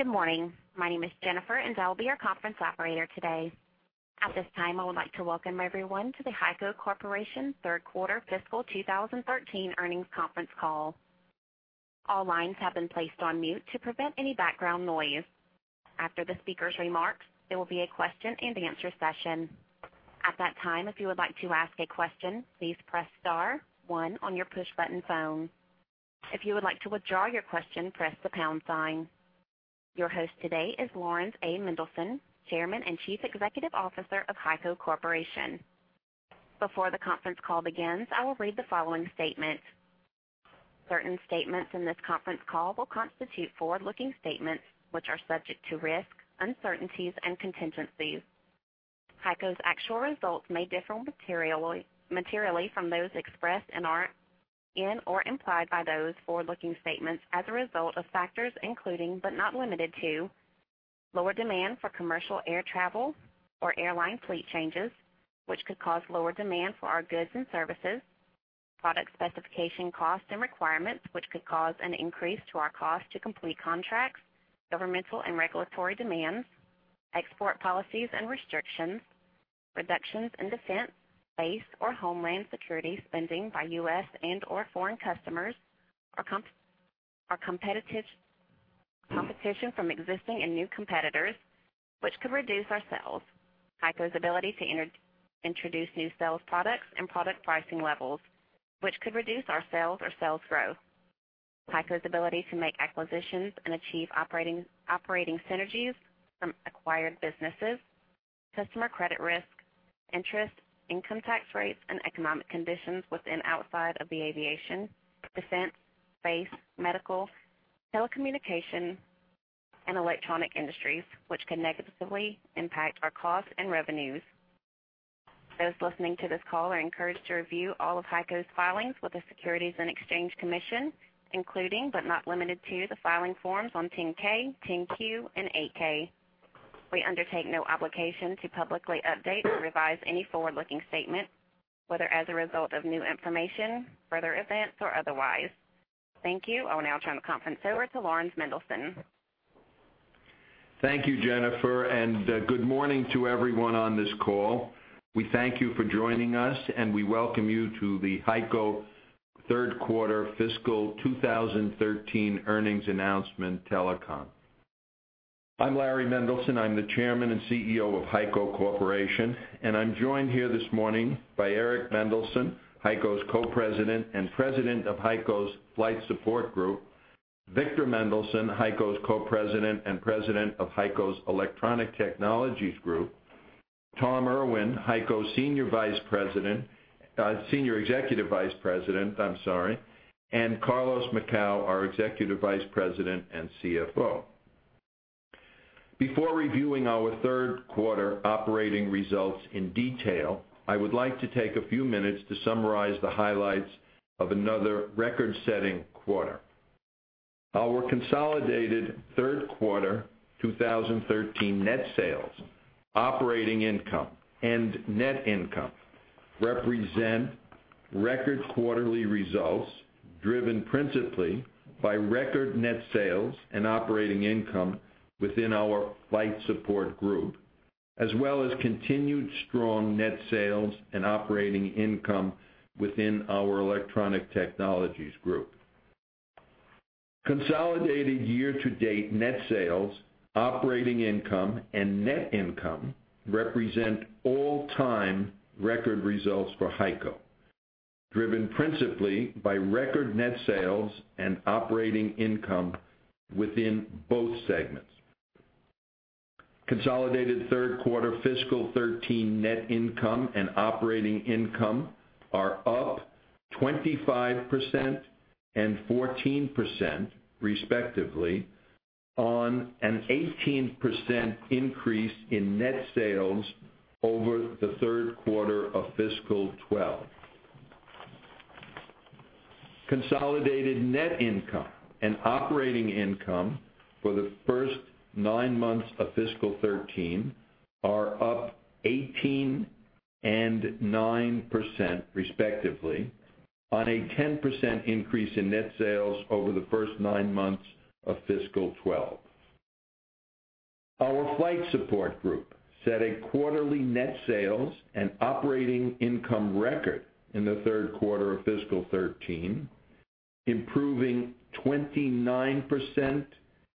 Good morning. My name is Jennifer, and I will be your conference operator today. At this time, I would like to welcome everyone to the HEICO Corporation third quarter fiscal 2013 earnings conference call. All lines have been placed on mute to prevent any background noise. After the speaker's remarks, there will be a question-and-answer session. At that time, if you would like to ask a question, please press star one on your push button phone. If you would like to withdraw your question, press the pound sign. Your host today is Laurans A. Mendelson, Chairman and Chief Executive Officer of HEICO Corporation. Before the conference call begins, I will read the following statement. Certain statements in this conference call will constitute forward-looking statements, which are subject to risks, uncertainties, and contingencies. HEICO's actual results may differ materially from those expressed and/or implied by those forward-looking statements as a result of factors including, but not limited to, lower demand for commercial air travel or airline fleet changes, which could cause lower demand for our goods and services, product specification costs and requirements, which could cause an increase to our cost to complete contracts, governmental and regulatory demands, export policies and restrictions, reductions in defense, base, or Homeland Security spending by U.S. and/or foreign customers, or competition from existing and new competitors, which could reduce our sales. HEICO's ability to introduce new sales products and product pricing levels, which could reduce our sales or sales growth. HEICO's ability to make acquisitions and achieve operating synergies from acquired businesses, customer credit risk, interest, income tax rates, and economic conditions within outside of the aviation, defense, space, medical, telecommunication, and electronic industries, which can negatively impact our costs and revenues. Those listening to this call are encouraged to review all of HEICO's filings with the Securities and Exchange Commission, including but not limited to the filing forms on 10-K, 10-Q, and 8-K. We undertake no obligation to publicly update or revise any forward-looking statements, whether as a result of new information, further events, or otherwise. Thank you. I will now turn the conference over to Laurans Mendelsohn. Thank you, Jennifer, and good morning to everyone on this call. We thank you for joining us, and we welcome you to the HEICO third quarter fiscal 2013 earnings announcement telecon. I'm Larry Mendelson. I'm the Chairman and CEO of HEICO Corporation, and I'm joined here this morning by Eric Mendelson, HEICO's Co-president and President of HEICO's Flight Support Group; Victor Mendelson, HEICO's Co-president and President of HEICO's Electronic Technologies Group; Tom Irwin, HEICO's Senior Executive Vice President; and Carlos Macau, our Executive Vice President and CFO. Before reviewing our third quarter operating results in detail, I would like to take a few minutes to summarize the highlights of another record-setting quarter. Our consolidated third quarter 2013 net sales, operating income, and net income represent record quarterly results driven principally by record net sales and operating income within our Flight Support Group, as well as continued strong net sales and operating income within our Electronic Technologies Group. Consolidated year-to-date net sales, operating income, and net income represent all-time record results for HEICO, driven principally by record net sales and operating income within both segments. Consolidated third quarter fiscal 2013 net income and operating income are up 25% and 14%, respectively, on an 18% increase in net sales over the third quarter of fiscal 2012. Consolidated net income and operating income for the first nine months of fiscal 2013 are up 18% and 9%, respectively, on a 10% increase in net sales over the first nine months of fiscal 2012. Our Flight Support Group set a quarterly net sales and operating income record in the third quarter of fiscal 2013, improving 29%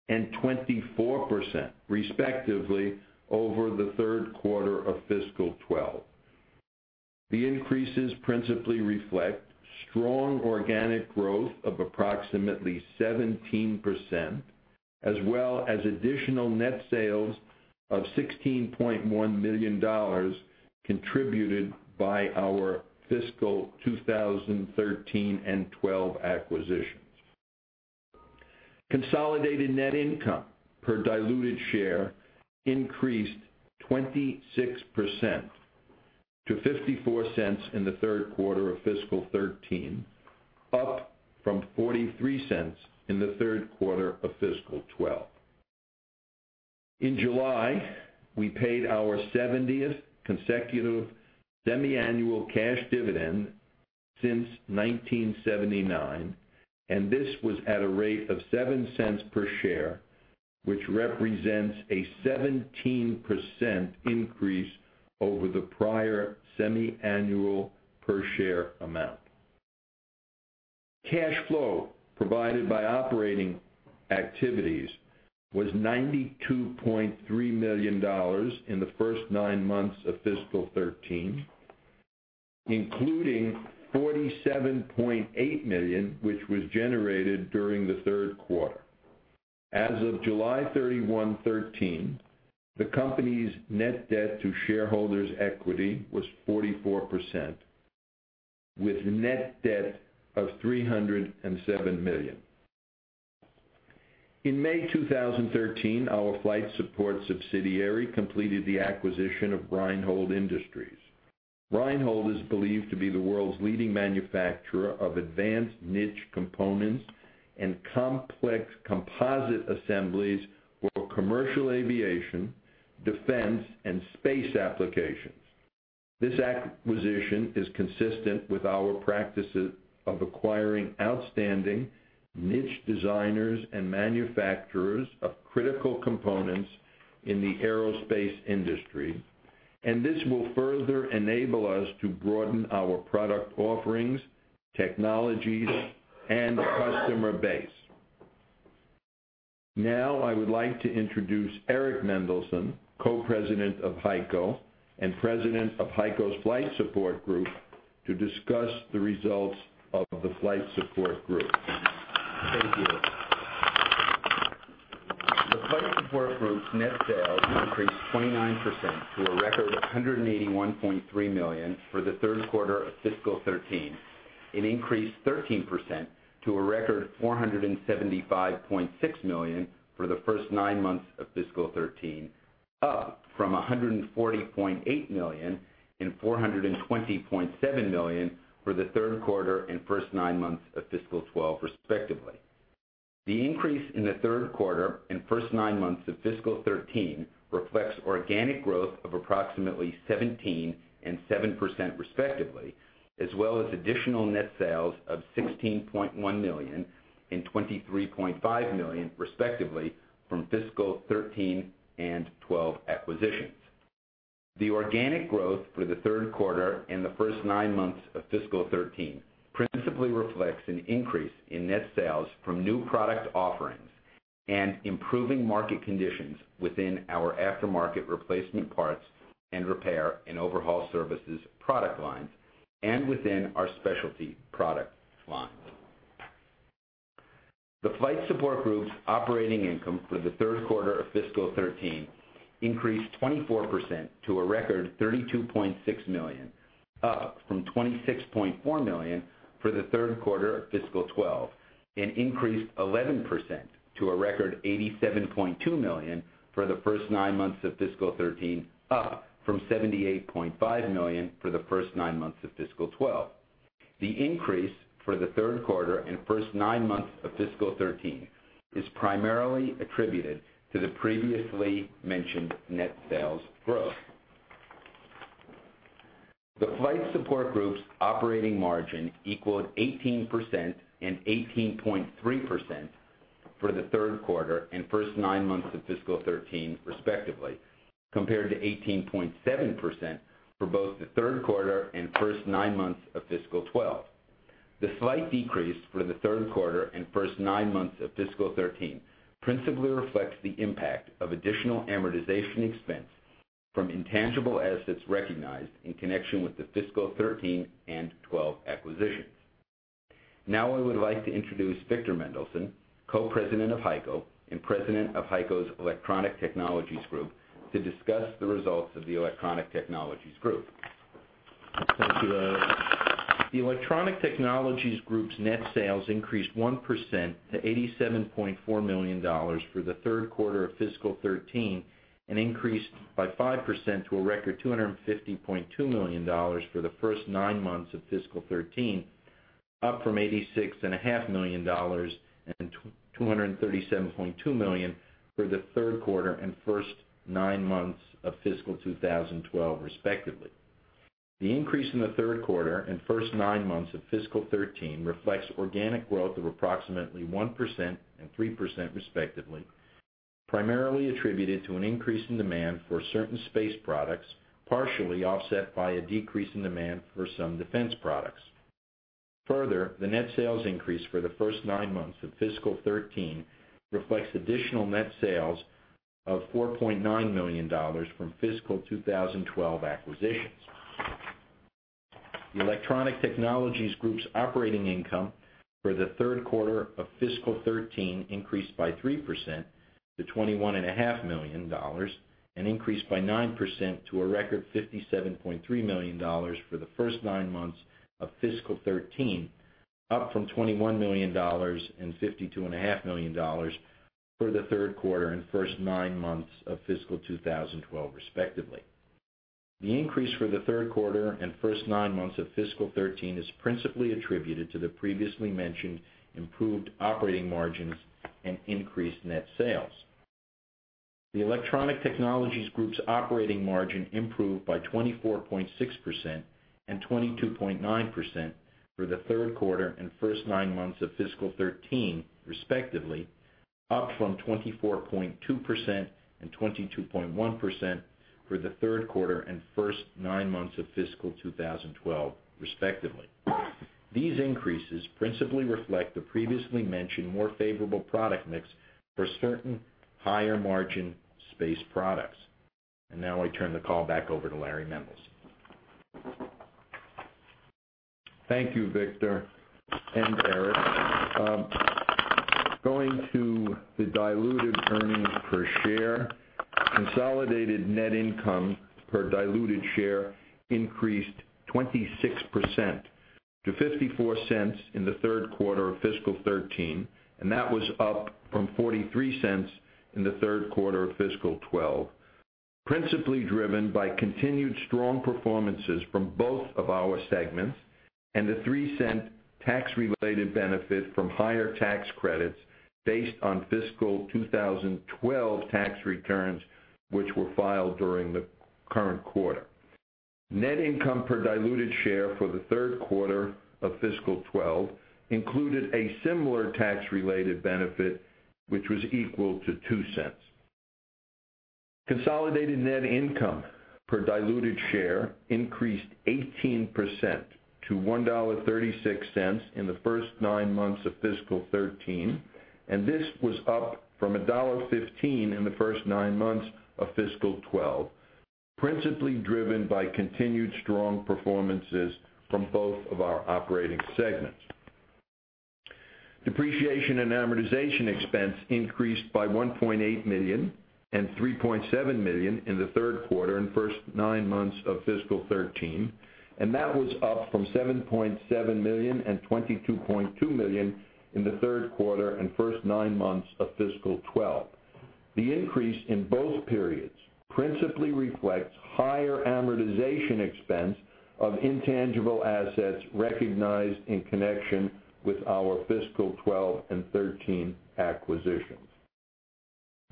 and 24%, respectively, over the third quarter of fiscal 2012. The increases principally reflect strong organic growth of approximately 17%, as well as additional net sales of $16.1 million contributed by our fiscal 2013 and 2012 acquisitions. Consolidated net income per diluted share increased 26% to $0.54 in the third quarter of fiscal 2013, up from $0.43 in the third quarter of fiscal 2012. In July, we paid our 70th consecutive semiannual cash dividend since 1979. This was at a rate of $0.07 per share, which represents a 17% increase over the prior semiannual per share amount. Cash flow provided by operating activities was $92.3 million in the first nine months of fiscal 2013, including $47.8 million, which was generated during the third quarter. As of July 31st, 2013, the company's net debt to shareholders' equity was 44%, with net debt of $307 million. In May 2013, our Flight Support subsidiary completed the acquisition of Reinhold Industries. Reinhold is believed to be the world's leading manufacturer of advanced niche components and complex composite assemblies for commercial aviation, defense, and space applications. This acquisition is consistent with our practices of acquiring outstanding niche designers and manufacturers of critical components in the aerospace industry. This will further enable us to broaden our product offerings, technologies, and customer base. Now, I would like to introduce Eric Mendelson, Co-President of HEICO, and President of HEICO's Flight Support Group, to discuss the results of the Flight Support Group. Thank you. The Flight Support Group's net sales increased 29% to a record $181.3 million for the third quarter of fiscal 2013. Increased 13% to a record $475.6 million for the first nine months of fiscal 2013, up from $140.8 million and $420.7 million for the third quarter and first nine months of fiscal 2012, respectively. The increase in the third quarter and first nine months of fiscal 2013 reflects organic growth of approximately 17% and 7% respectively, as well as additional net sales of $16.1 million and $23.5 million, respectively, from fiscal 2013 and 2012 acquisitions. The organic growth for the third quarter and the first nine months of fiscal 2013 principally reflects an increase in net sales from new product offerings and improving market conditions within our aftermarket replacement parts and repair and overhaul services product lines, and within our specialty product lines. The Flight Support Group's operating income for the third quarter of fiscal 2013 increased 24% to a record $32.6 million, up from $26.4 million for the third quarter of fiscal 2012, and increased 11% to a record $87.2 million for the first nine months of fiscal 2013, up from $78.5 million for the first nine months of fiscal 2012. The increase for the third quarter and first nine months of fiscal 2013 is primarily attributed to the previously mentioned net sales growth. The Flight Support Group's operating margin equaled 18% and 18.3% for the third quarter and first nine months of fiscal 2013, respectively, compared to 18.7% for both the third quarter and first nine months of fiscal 2012. The slight decrease for the third quarter and first nine months of fiscal 2013 principally reflects the impact of additional amortization expense from intangible assets recognized in connection with the fiscal 2013 and 2012 acquisitions. I would like to introduce Victor Mendelson, Co-President of HEICO and President of HEICO's Electronic Technologies Group, to discuss the results of the Electronic Technologies Group. Thank you, Eric. The Electronic Technologies Group's net sales increased 1% to $87.4 million for the third quarter of fiscal 2013, and increased by 5% to a record $250.2 million for the first nine months of fiscal 2013, up from $86.5 million and $237.2 million for the third quarter and first nine months of fiscal 2012, respectively. The increase in the third quarter and first nine months of fiscal 2013 reflects organic growth of approximately 1% and 3% respectively, primarily attributed to an increase in demand for certain space products, partially offset by a decrease in demand for some defense products. The net sales increase for the first nine months of fiscal 2013 reflects additional net sales of $4.9 million from fiscal 2012 acquisitions. The Electronic Technologies Group's operating income for the third quarter of fiscal 2013 increased by 3% to $21.5 million, and increased by 9% to a record $57.3 million for the first nine months of fiscal 2013, up from $21 million and $52.5 million for the third quarter and first nine months of fiscal 2012, respectively. The increase for the third quarter and first nine months of fiscal 2013 is principally attributed to the previously mentioned improved operating margins and increased net sales. The Electronic Technologies Group's operating margin improved by 24.6% and 22.9% for the third quarter and first nine months of fiscal 2013, respectively, up from 24.2% and 22.1% for the third quarter and first nine months of fiscal 2012, respectively. These increases principally reflect the previously mentioned more favorable product mix for certain higher-margin space products. Now I turn the call back over to Laurans Mendelson. Thank you, Victor and Eric. Going to the diluted earnings per share, consolidated net income per diluted share increased 26% to $0.54 in the third quarter of fiscal 2013. That was up from $0.43 in the third quarter of fiscal 2012, principally driven by continued strong performances from both of our segments and the $0.03 tax-related benefit from higher tax credits based on fiscal 2012 tax returns, which were filed during the current quarter. Net income per diluted share for the third quarter of fiscal 2012 included a similar tax-related benefit, which was equal to $0.02. Consolidated net income per diluted share increased 18% to $1.36 in the first nine months of fiscal 2013. This was up from $1.15 in the first nine months of fiscal 2012, principally driven by continued strong performances from both of our operating segments. Depreciation and amortization expense increased by $1.8 million and $3.7 million in the third quarter and first nine months of fiscal 2013. That was up from $7.7 million and $22.2 million in the third quarter and first nine months of fiscal 2012. The increase in both periods principally reflects higher amortization expense of intangible assets recognized in connection with our fiscal 2012 and 2013 acquisitions.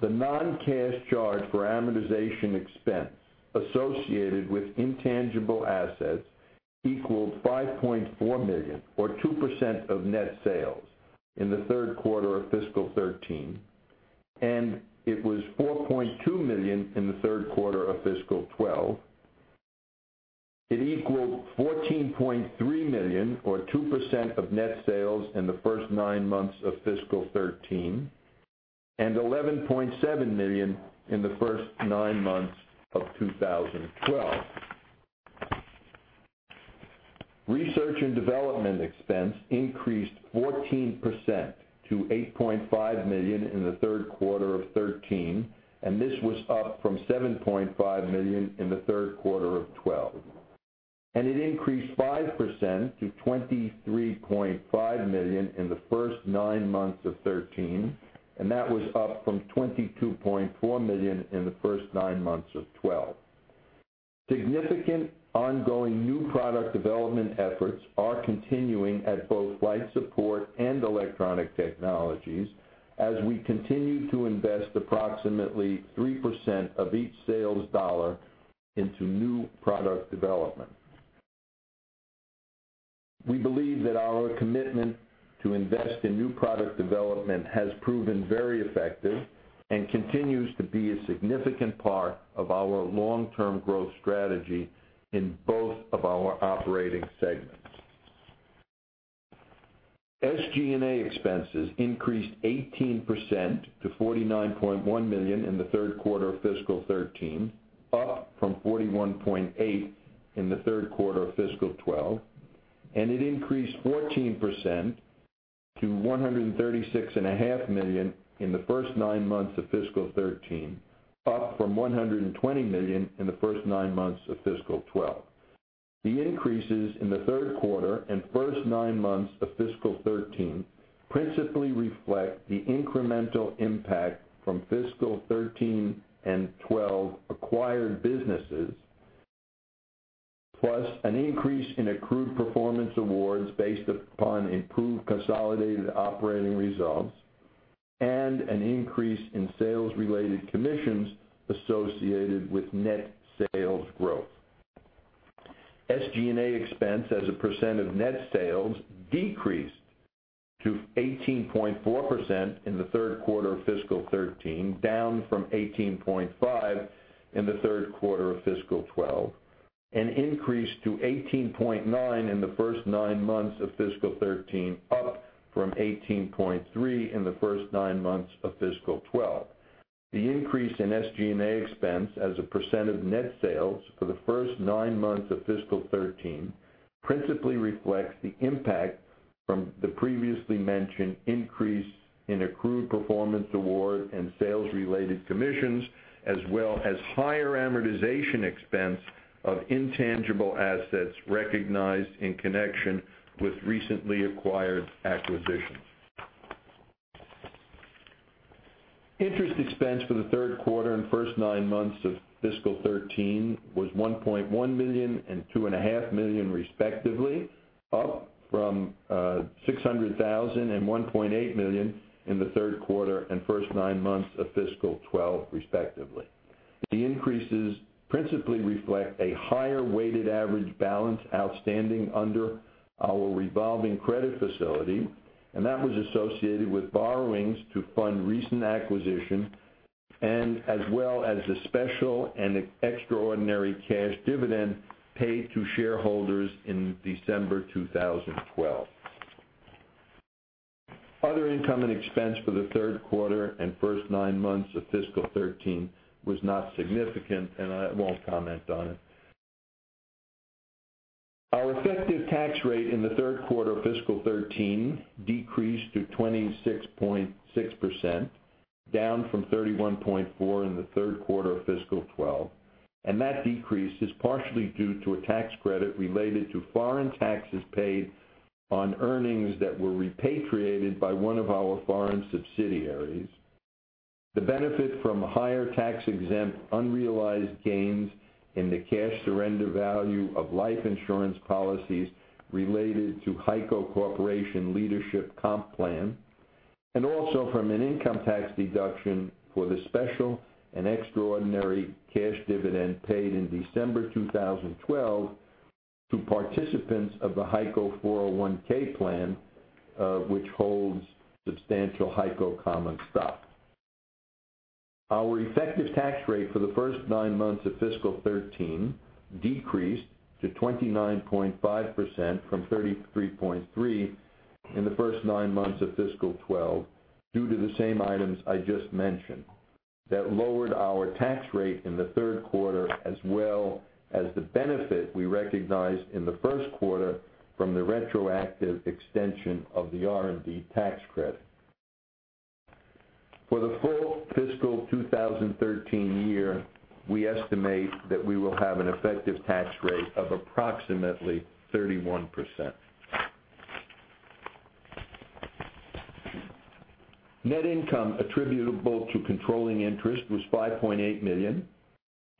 The non-cash charge for amortization expense associated with intangible assets equaled $5.4 million or 2% of net sales in the third quarter of fiscal 2013, and it was $4.2 million in the third quarter of fiscal 2012. It equaled $14.3 million or 2% of net sales in the first nine months of fiscal 2013, and $11.7 million in the first nine months of 2012. Research and development expense increased 14% to $8.5 million in the third quarter of 2013. This was up from $7.5 million in the third quarter of 2012. It increased 5% to $23.5 million in the first nine months of 2013. That was up from $22.4 million in the first nine months of 2012. Significant ongoing new product development efforts are continuing at both Flight Support and Electronic Technologies as we continue to invest approximately 3% of each sales dollar into new product development. We believe that our commitment to invest in new product development has proven very effective and continues to be a significant part of our long-term growth strategy in both of our operating segments. SG&A expenses increased 18% to $49.1 million in the third quarter of fiscal 2013, up from $41.8 million in the third quarter of fiscal 2012. It increased 14% to $136.5 million in the first nine months of fiscal 2013, up from $120 million in the first nine months of fiscal 2012. The increases in the third quarter and first nine months of fiscal 2013 principally reflect the incremental impact from fiscal 2013 and 2012 acquired businesses, plus an increase in accrued performance awards based upon improved consolidated operating results and an increase in sales-related commissions associated with net sales growth. SG&A expense as a % of net sales decreased to 18.4% in the third quarter of fiscal 2013, down from 18.5% in the third quarter of fiscal 2012. Increased to 18.9% in the first nine months of fiscal 2013, up from 18.3% in the first nine months of fiscal 2012. The increase in SG&A expense as a % of net sales for the first nine months of fiscal 2013 principally reflects the impact from the previously mentioned increase in accrued performance award and sales-related commissions, as well as higher amortization expense of intangible assets recognized in connection with recently acquired acquisitions. Interest expense for the third quarter and first nine months of fiscal 2013 was $1.1 million and $2.5 million respectively, up from $600,000 and $1.8 million in the third quarter and first nine months of fiscal 2012, respectively. The increases principally reflect a higher weighted average balance outstanding under our revolving credit facility. That was associated with borrowings to fund recent acquisition, as well as a special and extraordinary cash dividend paid to shareholders in December 2012. Other income and expense for the third quarter and first nine months of fiscal 2013 was not significant. I won't comment on it. Our effective tax rate in the third quarter of fiscal 2013 decreased to 26.6%, down from 31.4% in the third quarter of fiscal 2012. That decrease is partially due to a tax credit related to foreign taxes paid on earnings that were repatriated by one of our foreign subsidiaries. The benefit from higher tax-exempt unrealized gains in the cash surrender value of life insurance policies related to HEICO Corporation Leadership Compensation Plan, also from an income tax deduction for the special and extraordinary cash dividend paid in December 2012 to participants of the HEICO 401(k) plan, which holds substantial HEICO common stock. Our effective tax rate for the first nine months of fiscal 2013 decreased to 29.5% from 33.3% in the first nine months of fiscal 2012, due to the same items I just mentioned. That lowered our tax rate in the third quarter, as well as the benefit we recognized in the first quarter from the retroactive extension of the R&D tax credit. For the full fiscal 2013 year, we estimate that we will have an effective tax rate of approximately 31%. Net income attributable to controlling interest was $5.8 million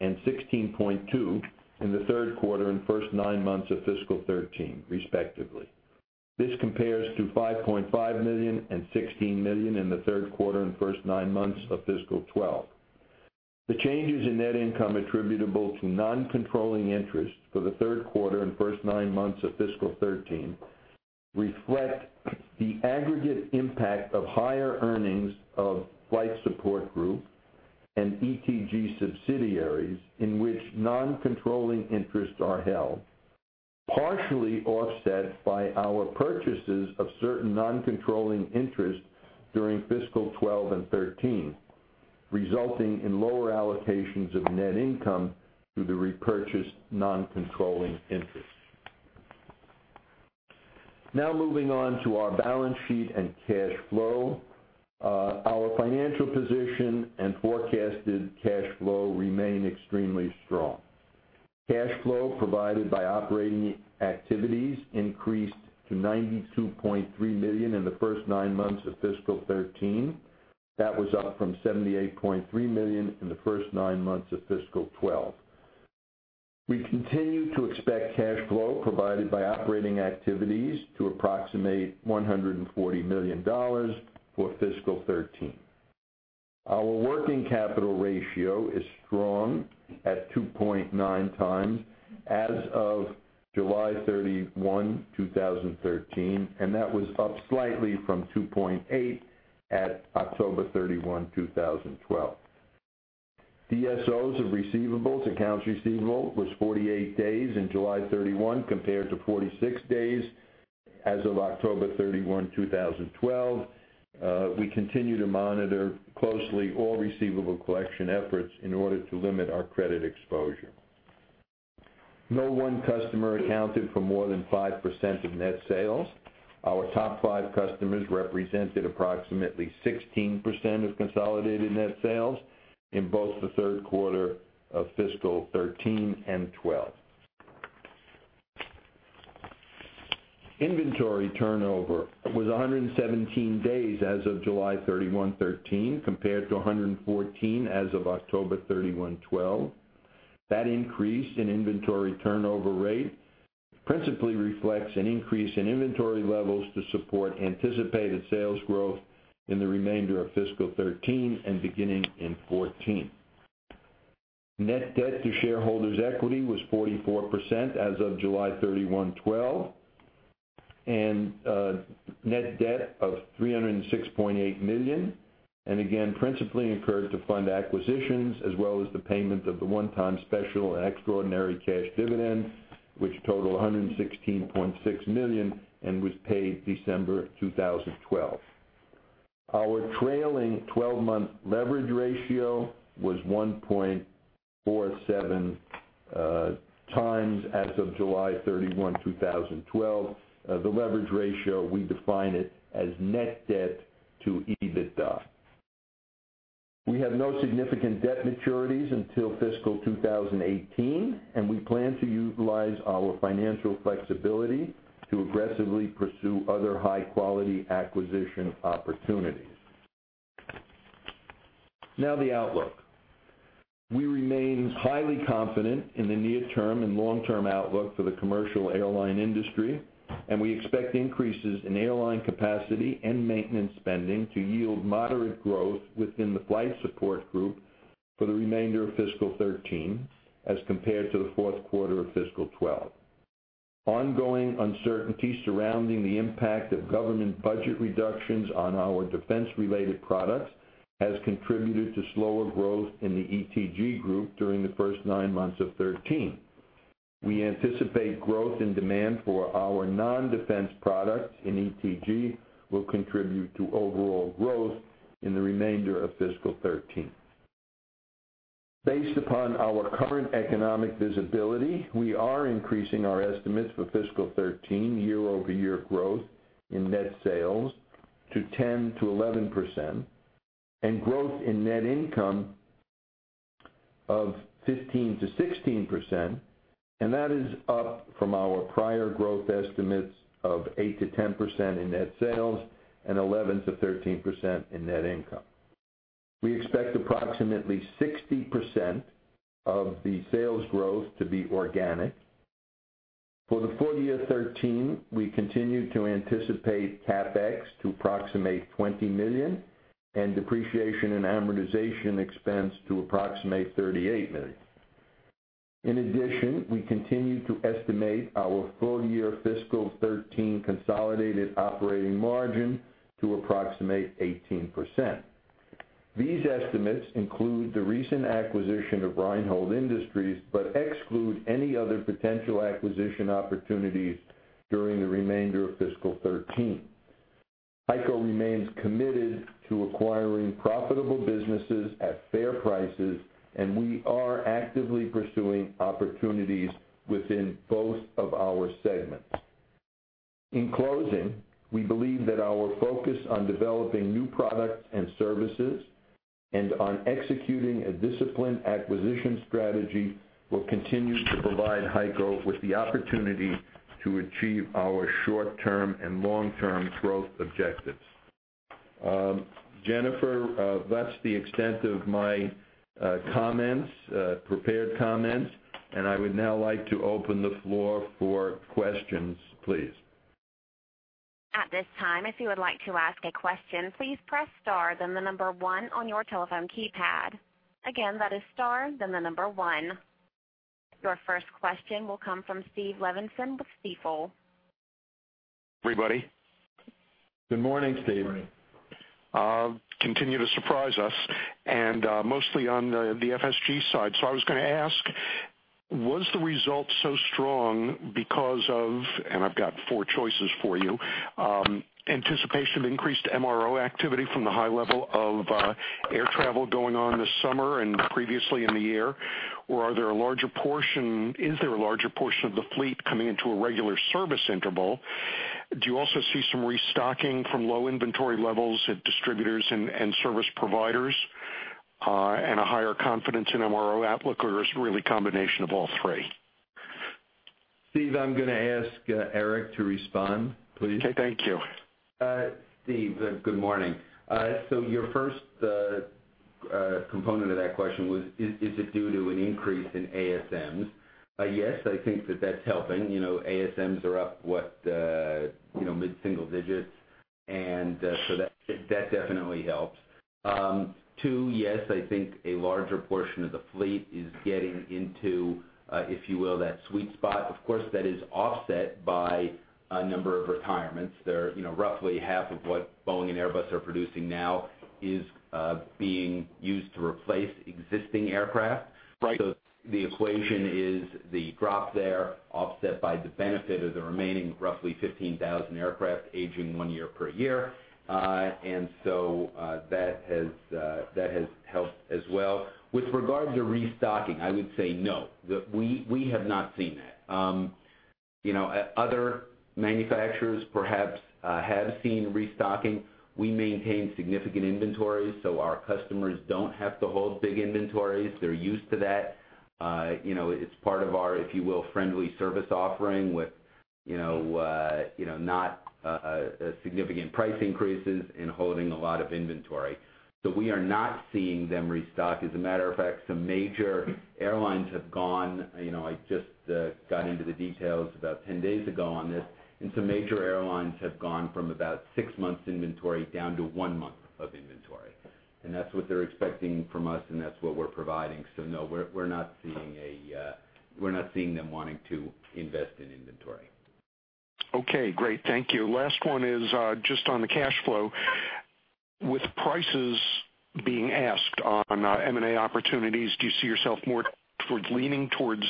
and $16.2 million in the third quarter and first nine months of fiscal 2013, respectively. This compares to $5.5 million and $16 million in the third quarter and first nine months of fiscal 2012. The changes in net income attributable to non-controlling interests for the third quarter and first nine months of fiscal 2013 reflect the aggregate impact of higher earnings of Flight Support Group and ETG subsidiaries in which non-controlling interests are held, partially offset by our purchases of certain non-controlling interests during fiscal 2012 and 2013, resulting in lower allocations of net income through the repurchased non-controlling interests. Moving on to our balance sheet and cash flow. Our financial position and forecasted cash flow remain extremely strong. Cash flow provided by operating activities increased to $92.3 million in the first nine months of fiscal 2013. That was up from $78.3 million in the first nine months of fiscal 2012. We continue to expect cash flow provided by operating activities to approximate $140 million for fiscal 2013. Our working capital ratio is strong at 2.9 times as of July 31, 2013, and that was up slightly from 2.8 times at October 31, 2012. DSOs of receivables, accounts receivable, was 48 days in July 31, 2013 compared to 46 days as of October 31, 2012. We continue to monitor closely all receivable collection efforts in order to limit our credit exposure. No one customer accounted for more than 5% of net sales. Our top five customers represented approximately 16% of consolidated net sales in both the third quarter of fiscal 2013 and 2012. Inventory turnover was 117 days as of July 31, 2013, compared to 114 as of October 31, 2012. That increase in inventory turnover rate principally reflects an increase in inventory levels to support anticipated sales growth in the remainder of fiscal 2013 and beginning in 2014. Net debt to shareholders' equity was 44% as of July 31, 2013, and net debt of $306.8 million, and again, principally incurred to fund acquisitions as well as the payment of the one-time special and extraordinary cash dividends, which total $116.6 million and was paid December 2012. Our trailing 12-month leverage ratio was 1.47 times as of July 31, 2013. The leverage ratio, we define it as net debt to EBITDA. We have no significant debt maturities until fiscal 2018, and we plan to utilize our financial flexibility to aggressively pursue other high-quality acquisition opportunities. The outlook. We remain highly confident in the near-term and long-term outlook for the commercial airline industry, and we expect increases in airline capacity and maintenance spending to yield moderate growth within the Flight Support Group for the remainder of fiscal 2013 as compared to the fourth quarter of fiscal 2012. Ongoing uncertainty surrounding the impact of government budget reductions on our defense-related products has contributed to slower growth in the ETG Group during the first nine months of 2013. We anticipate growth and demand for our non-defense products in ETG will contribute to overall growth in the remainder of fiscal 2013. Based upon our current economic visibility, we are increasing our estimates for fiscal 2013 year-over-year growth in net sales to 10%-11%, and growth in net income of 15%-16%. That is up from our prior growth estimates of 8%-10% in net sales and 11%-13% in net income. We expect approximately 60% of the sales growth to be organic. For the full year 2013, we continue to anticipate CapEx to approximate $20 million and depreciation in amortization expense to approximate $38 million. In addition, we continue to estimate our full-year fiscal 2013 consolidated operating margin to approximate 18%. These estimates include the recent acquisition of Reinhold Industries but exclude any other potential acquisition opportunities during the remainder of fiscal 2013. HEICO remains committed to acquiring profitable businesses at fair prices, and we are actively pursuing opportunities within both of our segments. In closing, we believe that our focus on developing new products and services and on executing a disciplined acquisition strategy will continue to provide HEICO with the opportunity to achieve our short-term and long-term growth objectives. Jennifer, that's the extent of my prepared comments. I would now like to open the floor for questions, please. At this time, if you would like to ask a question, please press star, then the number 1 on your telephone keypad. Again, that is star, then the number 1. Your first question will come from Steve Levenson with Stifel. Everybody. Good morning, Steve. Morning. Mostly on the FSG side. I was going to ask, was the result so strong because of, and I've got four choices for you, anticipation of increased MRO activity from the high level of air travel going on this summer and previously in the year? Is there a larger portion of the fleet coming into a regular service interval? Do you also see some restocking from low inventory levels at distributors and service providers and a higher confidence in MRO outlook? Is it really a combination of all three? Steve, I'm going to ask Eric to respond, please. Okay, thank you. Steve, good morning. Your first component of that question was, is it due to an increase in ASMs? Yes, I think that that's helping. ASMs are up what, mid-single digits. That definitely helps. Two, yes, I think a larger portion of the fleet is getting into, if you will, that sweet spot. Of course, that is offset by a number of retirements. Roughly half of what Boeing and Airbus are producing now is being used to replace existing aircraft. Right. The equation is the drop there offset by the benefit of the remaining roughly 15,000 aircraft aging one year per year. That has helped as well. With regard to restocking, I would say no. We have not seen that. Other manufacturers perhaps have seen restocking. We maintain significant inventory, so our customers don't have to hold big inventories. They're used to that. It's part of our, if you will, friendly service offering with not significant price increases in holding a lot of inventory. We are not seeing them restock. As a matter of fact, some major airlines have gone, I just got into the details about 10 days ago on this, and some major airlines have gone from about six months inventory down to one month of inventory. That's what they're expecting from us, and that's what we're providing. No, we're not seeing them wanting to invest in inventory. Okay, great. Thank you. Last one is just on the cash flow. With prices being asked on M&A opportunities, do you see yourself more towards leaning towards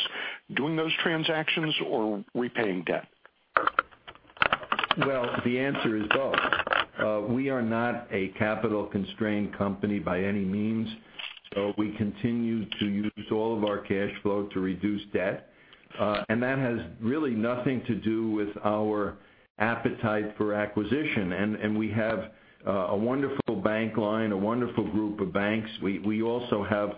doing those transactions or repaying debt? The answer is both. We are not a capital-constrained company by any means, so we continue to use all of our cash flow to reduce debt. That has really nothing to do with our appetite for acquisition. We have a wonderful bank line, a wonderful group of banks. We also have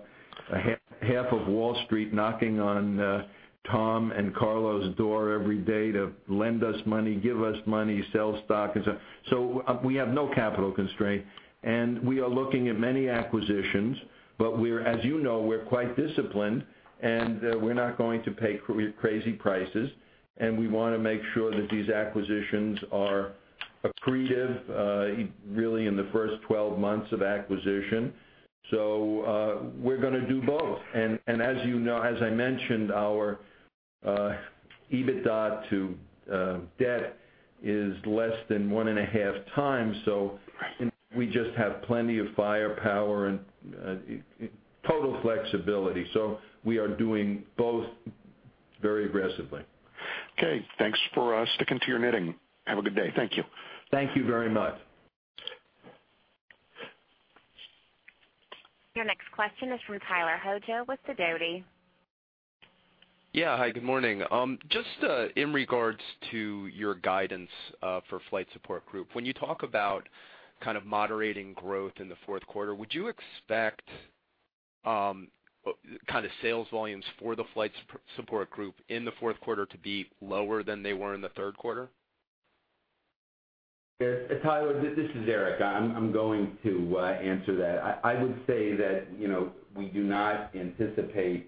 Half of Wall Street knocking on Tom and Carlo's door every day to lend us money, give us money, sell stock and so on. We have no capital constraint, and we are looking at many acquisitions. As you know, we're quite disciplined, and we're not going to pay crazy prices, and we want to make sure that these acquisitions are accretive, really in the first 12 months of acquisition. We're going to do both. As I mentioned, our EBITDA to debt is less than one and a half times, we just have plenty of firepower and total flexibility. We are doing both very aggressively. Okay, thanks for sticking to your knitting. Have a good day. Thank you. Thank you very much. Your next question is from Tyler Hojo with Sidoti. Yeah. Hi, good morning. Just in regards to your guidance for Flight Support Group, when you talk about kind of moderating growth in the fourth quarter, would you expect kind of sales volumes for the Flight Support Group in the fourth quarter to be lower than they were in the third quarter? Tyler, this is Eric. I'm going to answer that. I would say that, we do not anticipate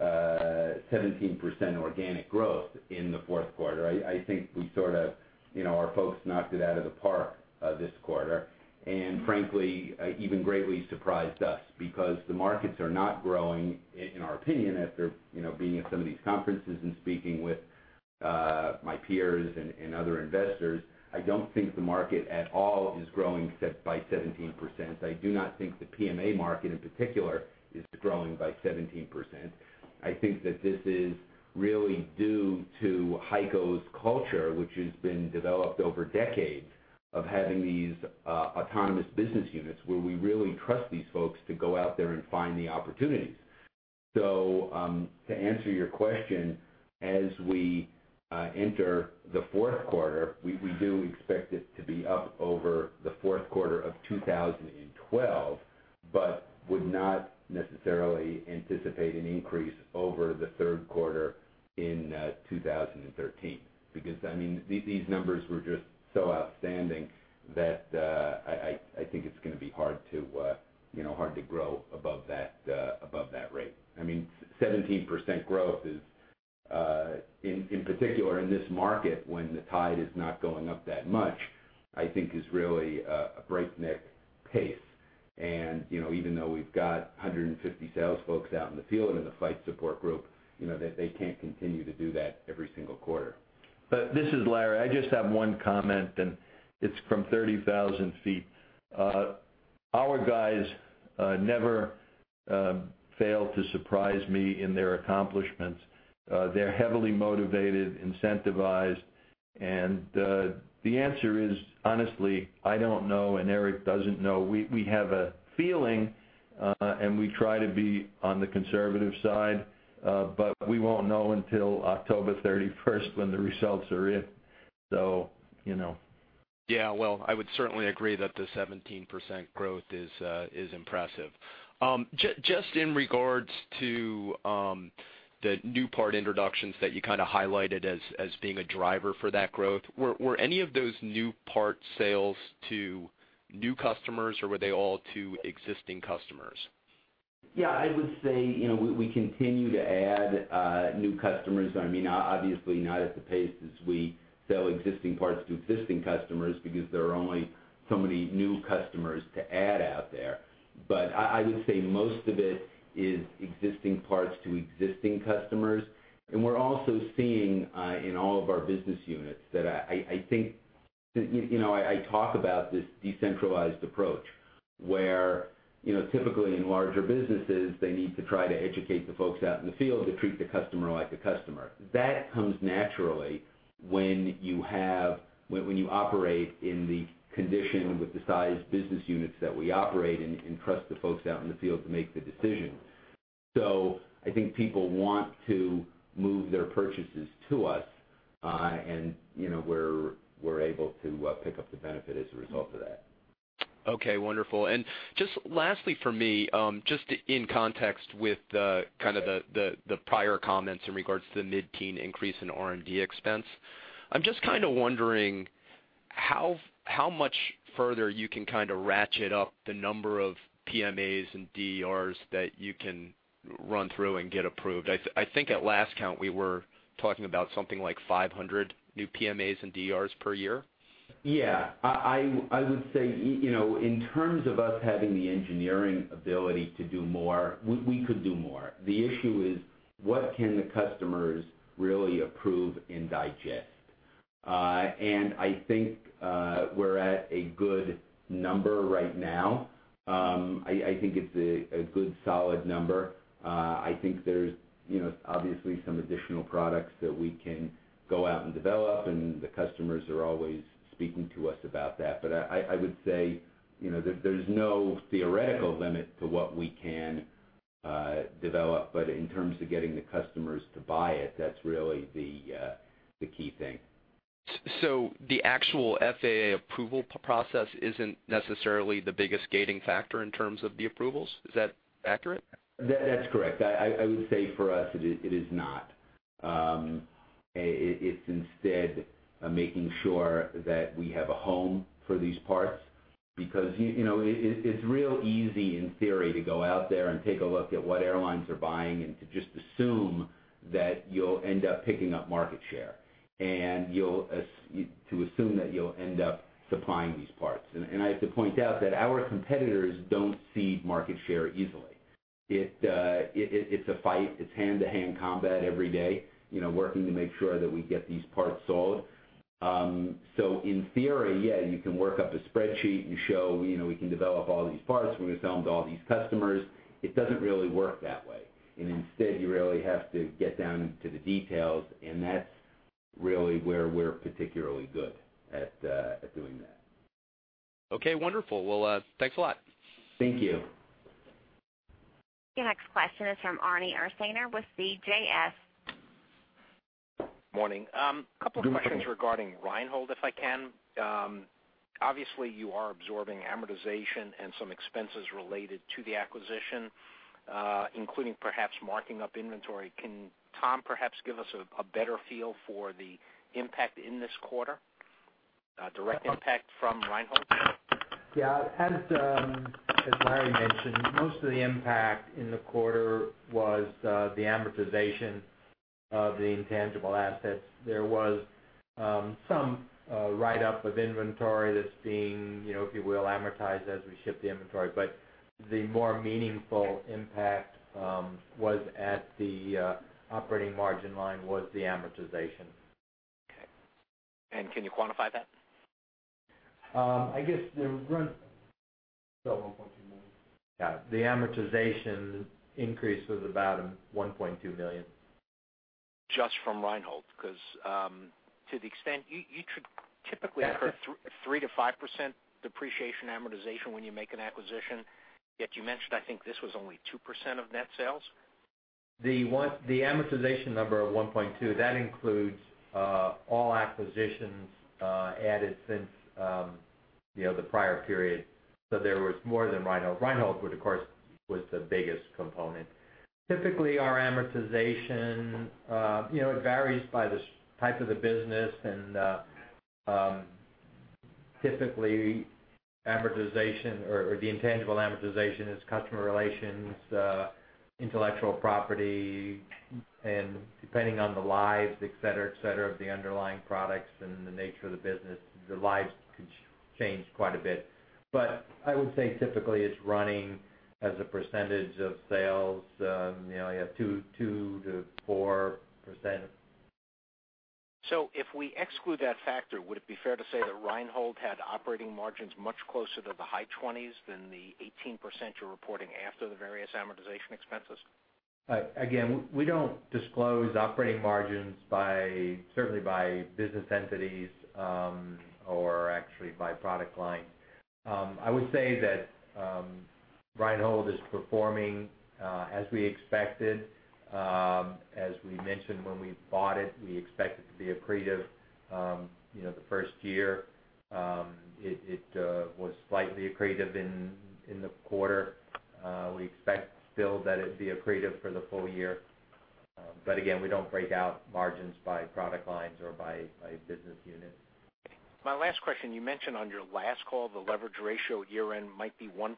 17% organic growth in the fourth quarter. I think our folks knocked it out of the park this quarter, and frankly, even greatly surprised us because the markets are not growing, in our opinion, after being at some of these conferences and speaking with my peers and other investors. I do not think the market at all is growing by 17%. I do not think the PMA market in particular is growing by 17%. I think that this is really due to HEICO's culture, which has been developed over decades of having these autonomous business units where we really trust these folks to go out there and find the opportunities. To answer your question, as we enter the fourth quarter, we do expect it to be up over the fourth quarter of 2012, but would not necessarily anticipate an increase over the third quarter in 2013. These numbers were just so outstanding that I think it's going to be hard to grow above that rate. 17% growth is, in particular in this market when the tide is not going up that much, I think is really a breakneck pace. Even though we've got 150 sales folks out in the field in the Flight Support Group, they can't continue to do that every single quarter. This is Larry. I just have one comment, and it's from 30,000 feet. Our guys never fail to surprise me in their accomplishments. They're heavily motivated, incentivized, and the answer is, honestly, I don't know, and Eric doesn't know. We have a feeling, and we try to be on the conservative side. We won't know until October 31st when the results are in. You know. Well, I would certainly agree that the 17% growth is impressive. Just in regards to the new part introductions that you kind of highlighted as being a driver for that growth, were any of those new part sales to new customers, or were they all to existing customers? I would say, we continue to add new customers. Obviously not at the pace as we sell existing parts to existing customers because there are only so many new customers to add out there. I would say most of it is existing parts to existing customers. We're also seeing in all of our business units that I talk about this decentralized approach where, typically in larger businesses, they need to try to educate the folks out in the field to treat the customer like a customer. That comes naturally when you operate in the condition with the size business units that we operate and trust the folks out in the field to make the decisions. I think people want to move their purchases to us, and we're able to pick up the benefit as a result of that. Okay, wonderful. Just lastly for me, just in context with the kind of the prior comments in regards to the mid-teen increase in R&D expense. I'm just kind of wondering how much further you can kind of ratchet up the number of PMAs and DERs that you can run through and get approved. I think at last count, we were talking about something like 500 new PMAs and DERs per year. I would say, in terms of us having the engineering ability to do more, we could do more. The issue is, what can the customers really approve and digest? I think, we're at a good number right now. I think it's a good solid number. I think there's obviously some additional products that we can go out and develop, and the customers are always speaking to us about that. I would say, there's no theoretical limit to what we can develop. In terms of getting the customers to buy it, that's really the key thing. The actual FAA approval process isn't necessarily the biggest gating factor in terms of the approvals? Is that accurate? That's correct. I would say for us, it is not. It's instead making sure that we have a home for these parts, because it's real easy in theory to go out there and take a look at what airlines are buying and to just assume that you'll end up picking up market share, and to assume that you'll end up supplying these parts. I have to point out that our competitors don't cede market share easily. It's a fight. It's hand-to-hand combat every day, working to make sure that we get these parts sold. In theory, yeah, you can work up a spreadsheet and show we can develop all these parts, we're going to sell them to all these customers. It doesn't really work that way, and instead, you really have to get down to the details, and that's really where we're particularly good at doing that. Okay, wonderful. Well, thanks a lot. Thank you. Your next question is from Arnie Ursaner with CJS. Morning. Good morning. A couple of questions regarding Reinhold, if I can. Obviously, you are absorbing amortization and some expenses related to the acquisition, including perhaps marking up inventory. Can Tom perhaps give us a better feel for the impact in this quarter, direct impact from Reinhold? Yeah. As Larry mentioned, most of the impact in the quarter was the amortization of the intangible assets. There was some write-up of inventory that's being, if you will, amortized as we ship the inventory, but the more meaningful impact was at the operating margin line, was the amortization. Okay. Can you quantify that? I guess the run $1.2 million. Yeah, the amortization increase was about $1.2 million. Just from Reinhold, because to the extent, you should typically incur 3%-5% depreciation amortization when you make an acquisition. Yet you mentioned, I think this was only 2% of net sales? The amortization number of 1.2, that includes all acquisitions added since the prior period. There was more than Reinhold. Reinhold, of course, was the biggest component. Typically, our amortization varies by the type of the business, and typically, amortization or the intangible amortization is customer relations, intellectual property, and depending on the lives, et cetera, of the underlying products and the nature of the business, the lives could change quite a bit. I would say typically it's running as a percentage of sales, you have 2%-4%. If we exclude that factor, would it be fair to say that Reinhold had operating margins much closer to the high 20s than the 18% you're reporting after the various amortization expenses? Again, we don't disclose operating margins certainly by business entities, or actually by product line. I would say that Reinhold is performing as we expected. As we mentioned when we bought it, we expect it to be accretive the first year. It was slightly accretive in the quarter. We expect still that it'd be accretive for the full year. Again, we don't break out margins by product lines or by business unit. My last question, you mentioned on your last call, the leverage ratio year-end might be 1.75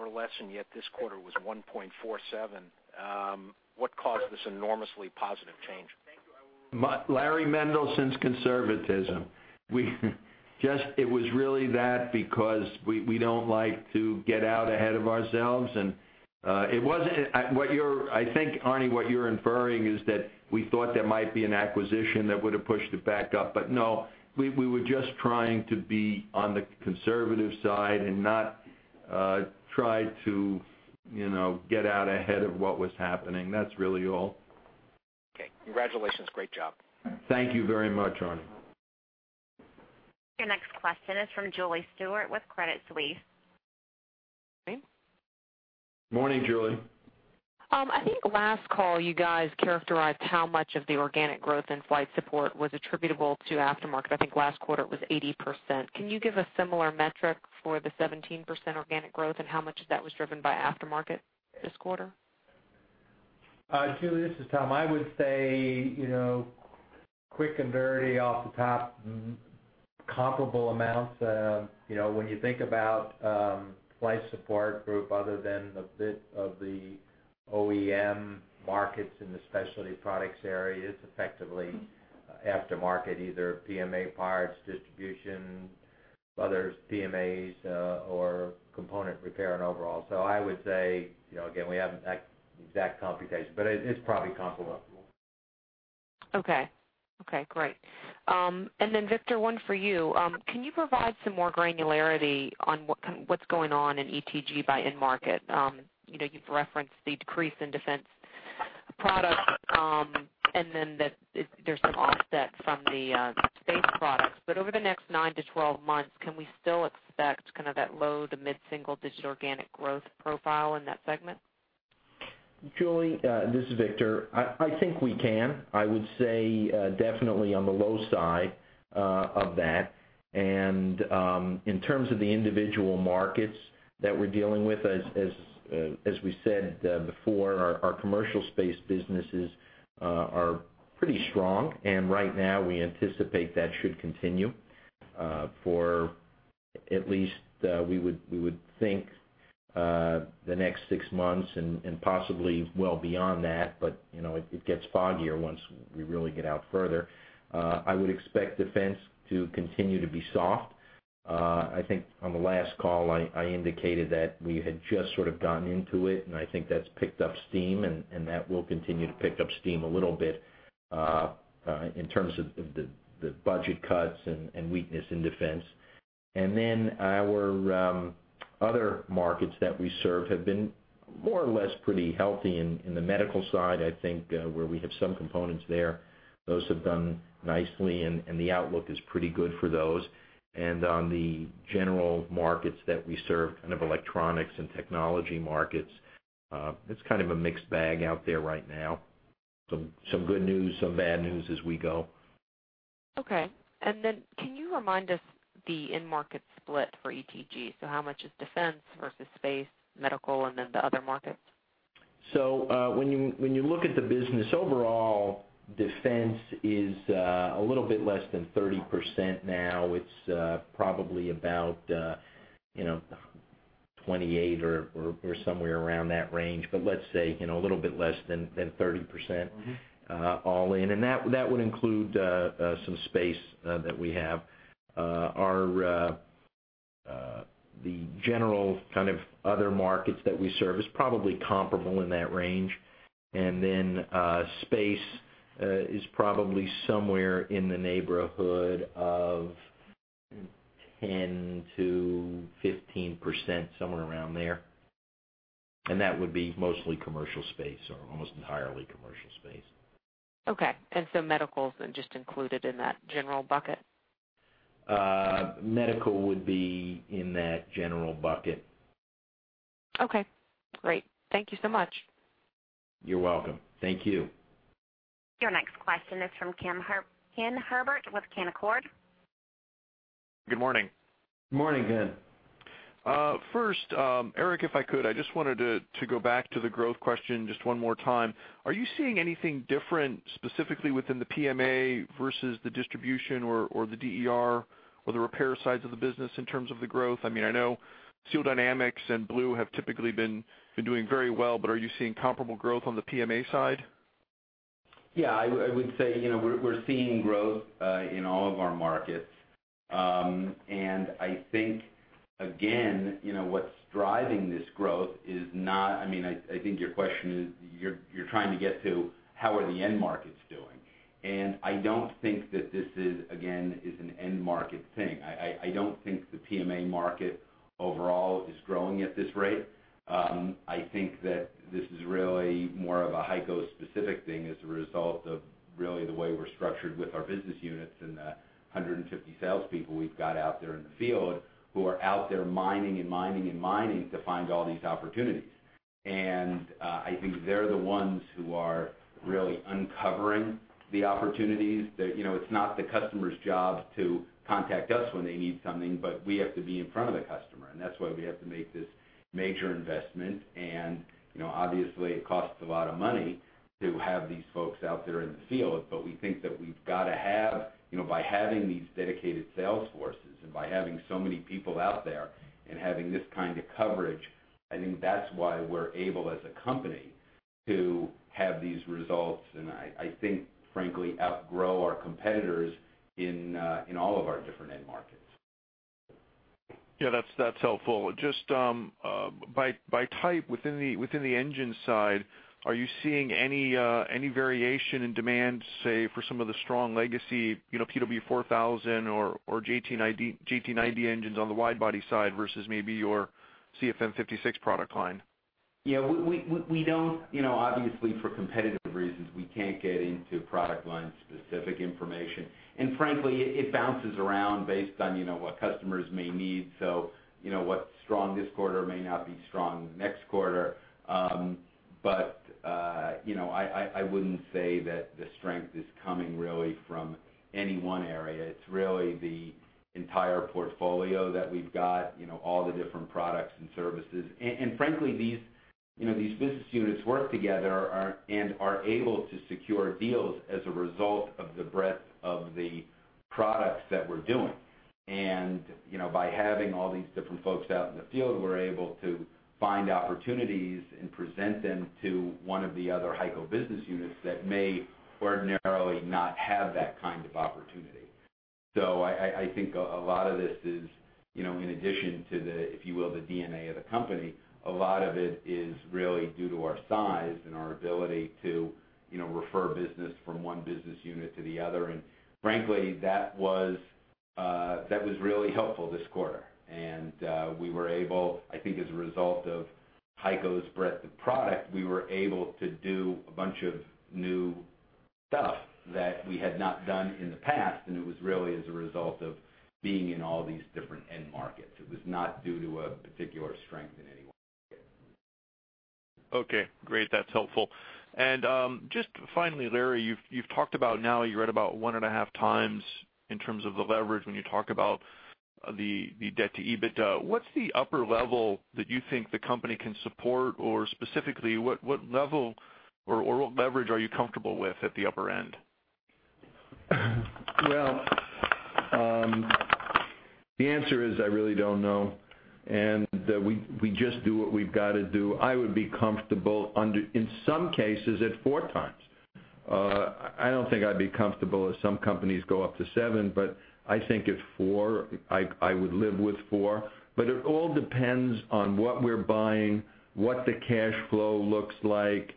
or less, and yet this quarter was 1.47. What caused this enormously positive change? Larry Mendelson's conservatism. It was really that because we don't like to get out ahead of ourselves, and I think, Arnie, what you're inferring is that we thought there might be an acquisition that would have pushed it back up. No, we were just trying to be on the conservative side and not try to get out ahead of what was happening. That's really all. Okay. Congratulations. Great job. Thank you very much, Arnie. Your next question is from Julie Stewart with Credit Suisse. Morning, Julie. I think last call, you guys characterized how much of the organic growth in Flight Support was attributable to aftermarket. I think last quarter it was 80%. Can you give a similar metric for the 17% organic growth and how much of that was driven by aftermarket this quarter? Julie, this is Tom. I would say, quick and dirty off the top, comparable amounts. When you think about Flight Support Group, other than the bit of the OEM markets in the specialty products area, it's effectively aftermarket, either PMA parts distribution, others PMAs, or component repair and overall. I would say, again, we don't have that exact computation, but it's probably comparable. Okay. Great. Victor, one for you. Can you provide some more granularity on what's going on in ETG by end market? You've referenced the decrease in defense products, that there's some offset from the space products. Over the next nine to 12 months, can we still expect kind of that low to mid-single digit organic growth profile in that segment? Julie, this is Victor. I think we can. I would say definitely on the low side of that. In terms of the individual markets that we're dealing with, as we said before, our commercial space businesses are pretty strong, right now we anticipate that should continue for at least, we would think, the next six months and possibly well beyond that. It gets foggier once we really get out further. I would expect defense to continue to be soft. I think on the last call, I indicated that we had just sort of gotten into it, and I think that's picked up steam, and that will continue to pick up steam a little bit in terms of the budget cuts and weakness in defense. Our other markets that we serve have been more or less pretty healthy. In the medical side, I think, where we have some components there, those have done nicely, and the outlook is pretty good for those. On the general markets that we serve, kind of electronics and technology markets, it's kind of a mixed bag out there right now. Some good news, some bad news as we go. Okay. Can you remind us the end market split for ETG? How much is defense versus space, medical, and then the other markets? When you look at the business overall, defense is a little bit less than 30% now. It's probably about 28% or somewhere around that range, but let's say a little bit less than 30% all in. That would include some space that we have. The general kind of other markets that we serve is probably comparable in that range, space is probably somewhere in the neighborhood of 10%-15%, somewhere around there. That would be mostly commercial space or almost entirely commercial space. Okay, medical is then just included in that general bucket? Medical would be in that general bucket. Okay, great. Thank you so much. You're welcome. Thank you. Your next question is from Kenneth Herbert with Canaccord. Good morning. Morning, Ken. First, Eric, if I could, I just wanted to go back to the growth question just one more time. Are you seeing anything different specifically within the PMA versus the distribution or the DER or the repair sides of the business in terms of the growth? I know Seal Dynamics and Blue have typically been doing very well, but are you seeing comparable growth on the PMA side? Yeah, I would say we're seeing growth in all of our markets. I think, again, what's driving this growth is I think your question is you're trying to get to how are the end markets doing. I don't think that this is, again, is an end market thing. I don't think the PMA market overall is growing at this rate. I think that this is really more of a HEICO specific thing as a result of really the way we're structured with our business units and the 150 salespeople we've got out there in the field who are out there mining and mining and mining to find all these opportunities. I think they're the ones who are really uncovering the opportunities that it's not the customer's job to contact us when they need something, but we have to be in front of the customer, and that's why we have to make this major investment. Obviously, it costs a lot of money to have these folks out there in the field. We think that we've got to have, by having these dedicated sales forces and by having so many people out there and having this kind of coverage, I think that's why we're able, as a company, to have these results. I think, frankly, outgrow our competitors in all of our different end markets. Yeah, that's helpful. Just by type within the engine side, are you seeing any variation in demand, say, for some of the strong legacy, PW4000 or JT9D engines on the wide body side versus maybe your CFM56 product line? Obviously, for competitive reasons, we can't get into product line specific information. Frankly, it bounces around based on what customers may need. What's strong this quarter may not be strong next quarter. I wouldn't say that the strength is coming really from any one area. It's really the entire portfolio that we've got, all the different products and services. Frankly, these business units work together and are able to secure deals as a result of the breadth of the products that we're doing. By having all these different folks out in the field, we're able to find opportunities and present them to one of the other HEICO business units that may ordinarily not have that kind of opportunity. I think a lot of this is, in addition to the, if you will, the DNA of the company, a lot of it is really due to our size and our ability to refer business from one business unit to the other. Frankly, that was really helpful this quarter, and we were able, I think as a result of HEICO's breadth of product, we were able to do a bunch of new stuff that we had not done in the past, it was really as a result of being in all these different end markets. It was not due to a particular strength in any one market. Great. That's helpful. Just finally, Larry, you've talked about now you're at about one and a half times in terms of the leverage when you talk about the debt to EBITDA. What's the upper level that you think the company can support, or specifically, what level or what leverage are you comfortable with at the upper end? The answer is, I really don't know. We just do what we've got to do. I would be comfortable, in some cases, at 4 times. I don't think I'd be comfortable if some companies go up to 7. I think at 4, I would live with 4. It all depends on what we're buying, what the cash flow looks like.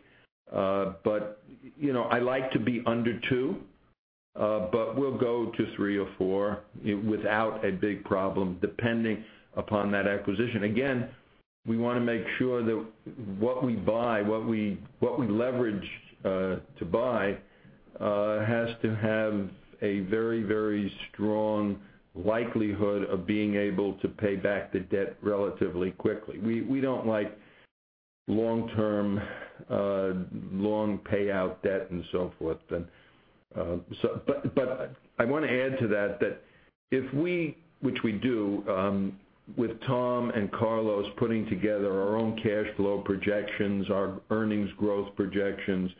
I like to be under 2. We'll go to 3 or 4 without a big problem, depending upon that acquisition. Again, we want to make sure that what we buy, what we leverage, to buy, has to have a very strong likelihood of being able to pay back the debt relatively quickly. We don't like long-term, long payout debt and so forth. I want to add to that if we, which we do, with Tom and Carlos putting together our own cash flow projections, our earnings growth projections,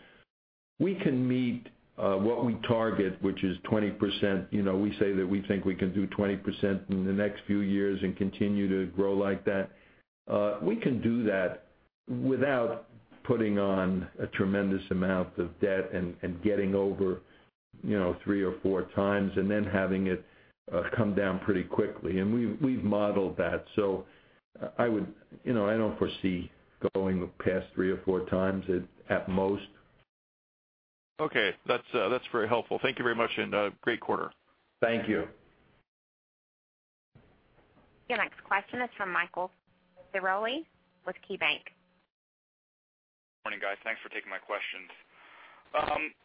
we can meet what we target, which is 20%. We say that we think we can do 20% in the next few years and continue to grow like that. We can do that without putting on a tremendous amount of debt and getting over 3 or 4 times and then having it come down pretty quickly. We've modeled that. I don't foresee going past 3 or 4 times at most. That's very helpful. Thank you very much. Great quarter. Thank you. Your next question is from Michael Ciarmoli with KeyBanc. Morning, guys. Thanks for taking my questions.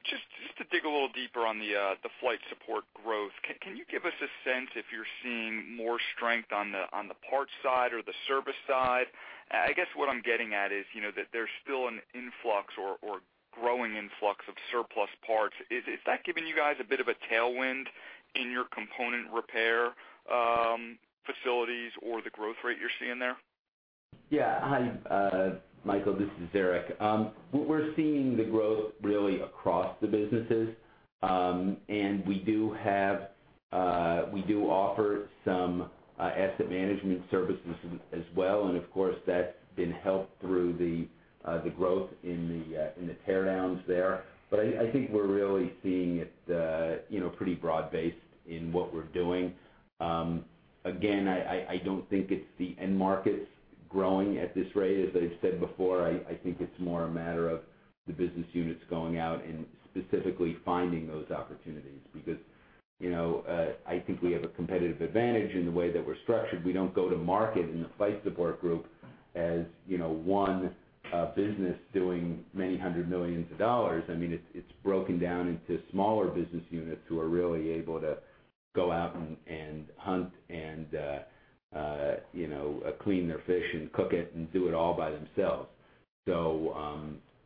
Just to dig a little deeper on the Flight Support growth, can you give us a sense if you're seeing more strength on the parts side or the service side? I guess what I'm getting at is that there's still an influx or growing influx of surplus parts. Is that giving you guys a bit of a tailwind in your component repair facilities or the growth rate you're seeing there? Yeah. Hi, Michael. This is Eric. We're seeing the growth really across the businesses. We do offer some asset management services as well, and of course, that's been helped through the growth in the teardowns there. I think we're really seeing it pretty broad-based in what we're doing. Again, I don't think it's the end markets growing at this rate. As I've said before, I think it's more a matter of the business units going out and specifically finding those opportunities because I think we have a competitive advantage in the way that we're structured. We don't go to market in the Flight Support Group as one business doing many hundred millions of dollars. It's broken down into smaller business units who are really able to go out and hunt and clean their fish and cook it and do it all by themselves.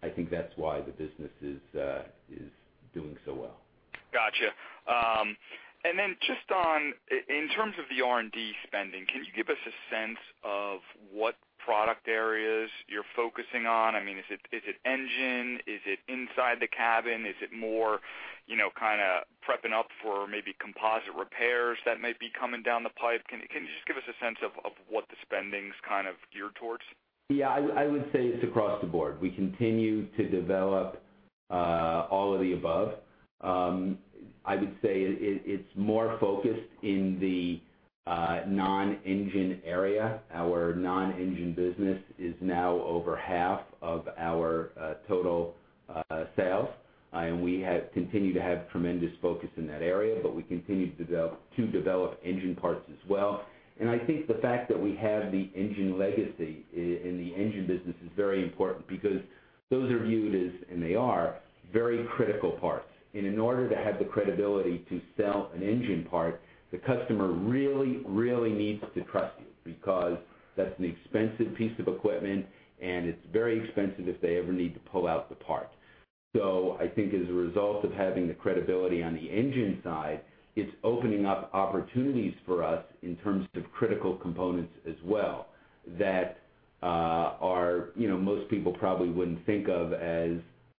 I think that's why the business is doing so well. Got you. Just on, in terms of the R&D spending, can you give us a sense of what product areas you're focusing on? Is it engine? Is it inside the cabin? Is it more prepping up for maybe composite repairs that might be coming down the pipe? Can you just give us a sense of what the spending's kind of geared towards? Yeah, I would say it's across the board. We continue to develop all of the above. I would say it's more focused in the non-engine area. Our non-engine business is now over half of our total sales. We continue to have tremendous focus in that area, but we continue to develop engine parts as well. I think the fact that we have the engine legacy in the engine business is very important because those are viewed as, and they are, very critical parts. In order to have the credibility to sell an engine part, the customer really needs to trust you because that's an expensive piece of equipment, and it's very expensive if they ever need to pull out the part. I think as a result of having the credibility on the engine side, it's opening up opportunities for us in terms of critical components as well that most people probably wouldn't think of as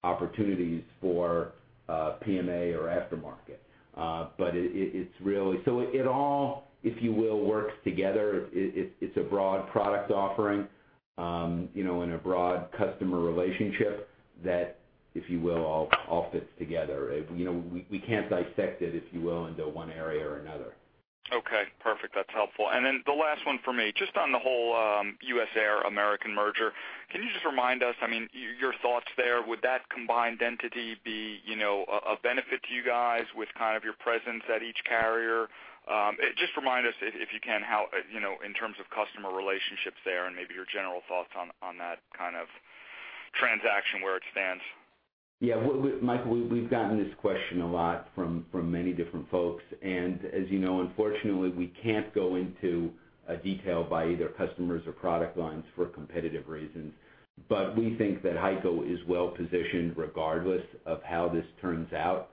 opportunities for PMA or aftermarket. It all, if you will, works together. It's a broad product offering, and a broad customer relationship that, if you will, all fits together. We can't dissect it, if you will, into one area or another. Okay, perfect. That's helpful. The last one for me, just on the whole US Airways American Airlines merger, can you just remind us, your thoughts there? Would that combined entity be a benefit to you guys with your presence at each carrier? Just remind us, if you can, how, in terms of customer relationships there and maybe your general thoughts on that transaction, where it stands. Yeah. Michael, we've gotten this question a lot from many different folks. As you know, unfortunately, we can't go into detail by either customers or product lines for competitive reasons. We think that HEICO is well-positioned regardless of how this turns out.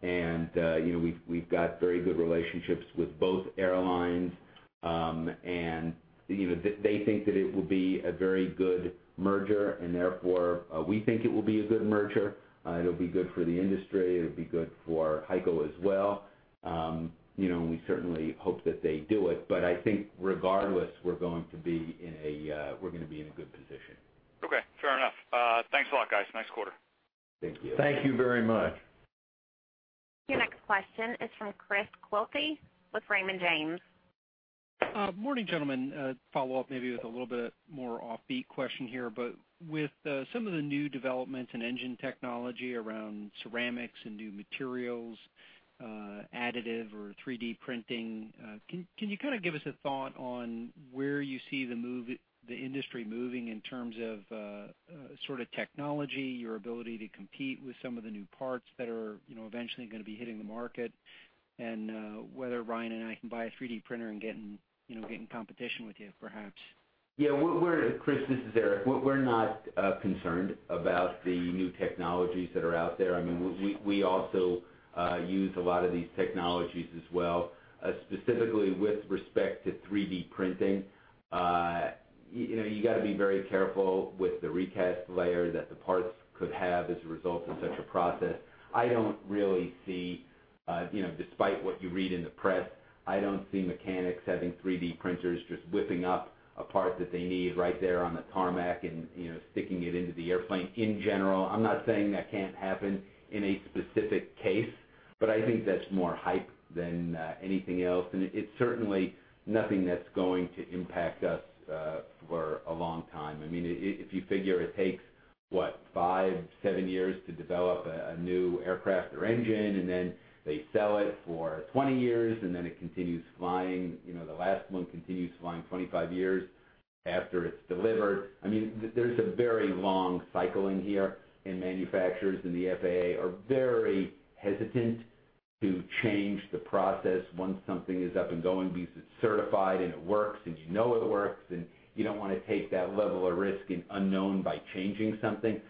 We've got very good relationships with both airlines, and they think that it will be a very good merger and therefore we think it will be a good merger. It'll be good for the industry. It'll be good for HEICO as well. We certainly hope that they do it, but I think regardless, we're going to be in a good position. Okay, fair enough. Thanks a lot, guys. Nice quarter. Thank you. Thank you very much. Your next question is from Chris Quilty with Raymond James. Morning, gentlemen. With some of the new developments in engine technology around ceramics and new materials, additive or 3D printing, can you kind of give us a thought on where you see the industry moving in terms of sort of technology, your ability to compete with some of the new parts that are eventually going to be hitting the market? And whether Ryan and I can buy a 3D printer and get in competition with you, perhaps. Yeah, Chris, this is Eric. We're not concerned about the new technologies that are out there. We also use a lot of these technologies as well, specifically with respect to 3D printing. You got to be very careful with the recast layer that the parts could have as a result of such a process. I don't really see, despite what you read in the press, I don't see mechanics having 3D printers just whipping up a part that they need right there on the tarmac and sticking it into the airplane in general. I'm not saying that can't happen in a specific case, but I think that's more hype than anything else. It's certainly nothing that's going to impact us for a long time. If you figure it takes, what, five, seven years to develop a new aircraft or engine, then they sell it for 20 years, and then it continues flying, the last one continues flying 25 years after it's delivered. There's a very long cycle in here, and manufacturers and the FAA are very hesitant to change the process once something is up and going, because it's certified, and it works, and you know it works, and you don't want to take that level of risk in unknown by changing something.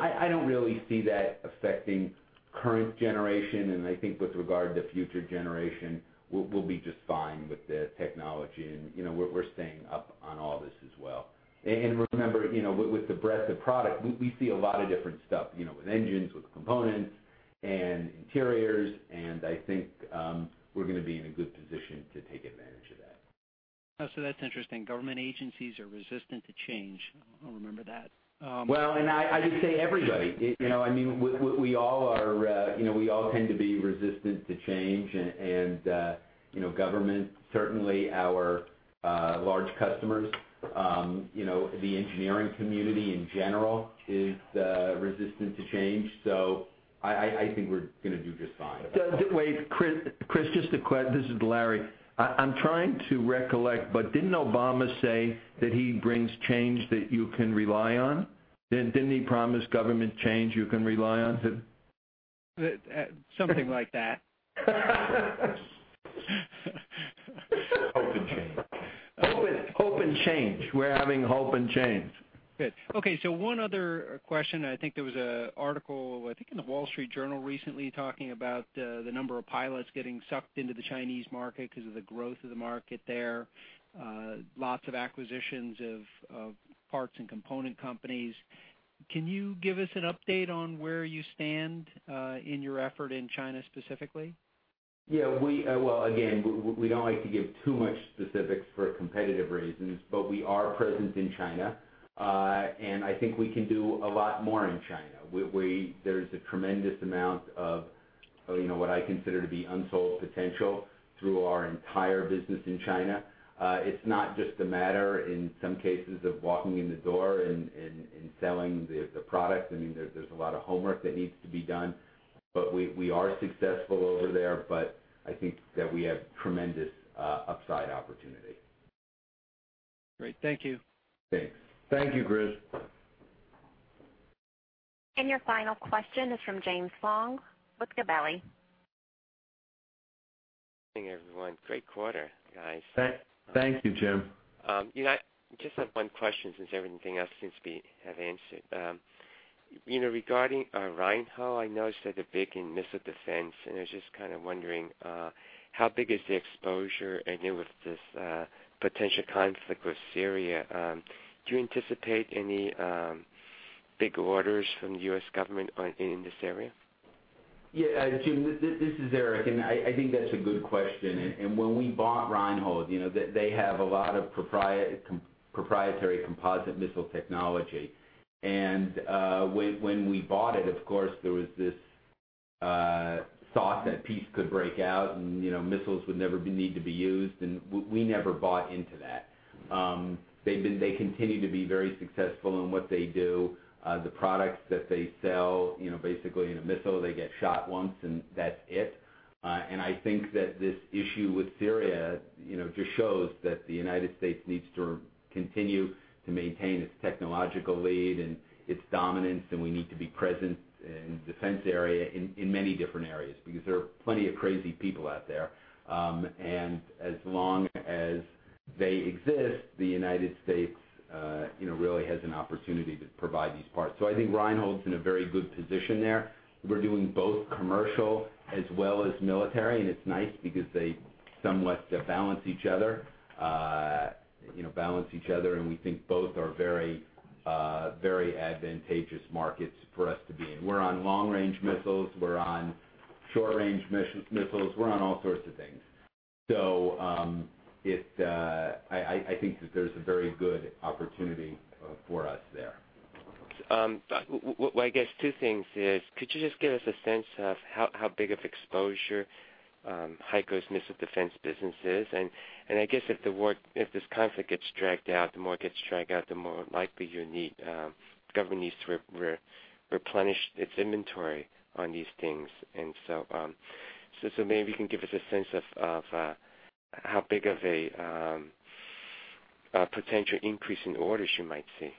I don't really see that affecting current generation, I think with regard to future generation, we'll be just fine with the technology, and we're staying up on all this as well. Remember, with the breadth of product, we see a lot of different stuff, with engines, with components, and interiors, and I think we're going to be in a good position to take advantage of that. That's interesting. Government agencies are resistant to change. I'll remember that. I just say everybody. We all tend to be resistant to change, and government, certainly our large customers, the engineering community in general is resistant to change. I think we're going to do just fine. Wait, Chris, this is Larry. I'm trying to recollect, didn't Obama say that he brings change that you can rely on? Didn't he promise government change you can rely on? Something like that. Hope and change. Hope and change. We're having hope and change. Good. Okay, one other question. I think there was an article, I think in The Wall Street Journal recently, talking about the number of pilots getting sucked into the Chinese market because of the growth of the market there. Lots of acquisitions of parts and component companies. Can you give us an update on where you stand in your effort in China specifically? Yeah. Well, again, we don't like to give too much specifics for competitive reasons, but we are present in China. I think we can do a lot more in China. There's a tremendous amount of what I consider to be unsold potential through our entire business in China. It's not just a matter, in some cases, of walking in the door and selling the product. There's a lot of homework that needs to be done, but we are successful over there, but I think that we have tremendous upside opportunity. Great. Thank you. Thanks. Thank you, Chris. Your final question is from James Long with Gabelli. Good morning, everyone. Great quarter, guys. Thank you, Jim. I just have one question, since everything else seems to have been answered. Regarding Reinhold, I noticed they're big in missile defense, and I was just kind of wondering, how big is the exposure? With this potential conflict with Syria, do you anticipate any big orders from the U.S. government in this area? Jim, this is Eric, and I think that's a good question. When we bought Reinhold, they have a lot of proprietary composite missile technology. When we bought it, of course, there was this thought that peace could break out, and missiles would never need to be used, and we never bought into that. They continue to be very successful in what they do. The products that they sell, basically in a missile, they get shot once and that's it. I think that this issue with Syria just shows that the United States needs to continue to maintain its technological lead and its dominance, and we need to be present in the defense area, in many different areas, because there are plenty of crazy people out there. As long as they exist, the United States really has an opportunity to provide these parts. I think Reinhold's in a very good position there. We're doing both commercial as well as military, it's nice because they somewhat balance each other. We think both are very advantageous markets for us to be in. We're on long-range missiles. We're on short-range missiles. We're on all sorts of things. I think that there's a very good opportunity for us there. Well, I guess two things is, could you just give us a sense of how big of exposure HEICO's missile defense business is? I guess if this conflict gets dragged out, the more it gets dragged out, the more likely the government needs to replenish its inventory on these things. Maybe you can give us a sense of how big of a potential increase in orders you might see.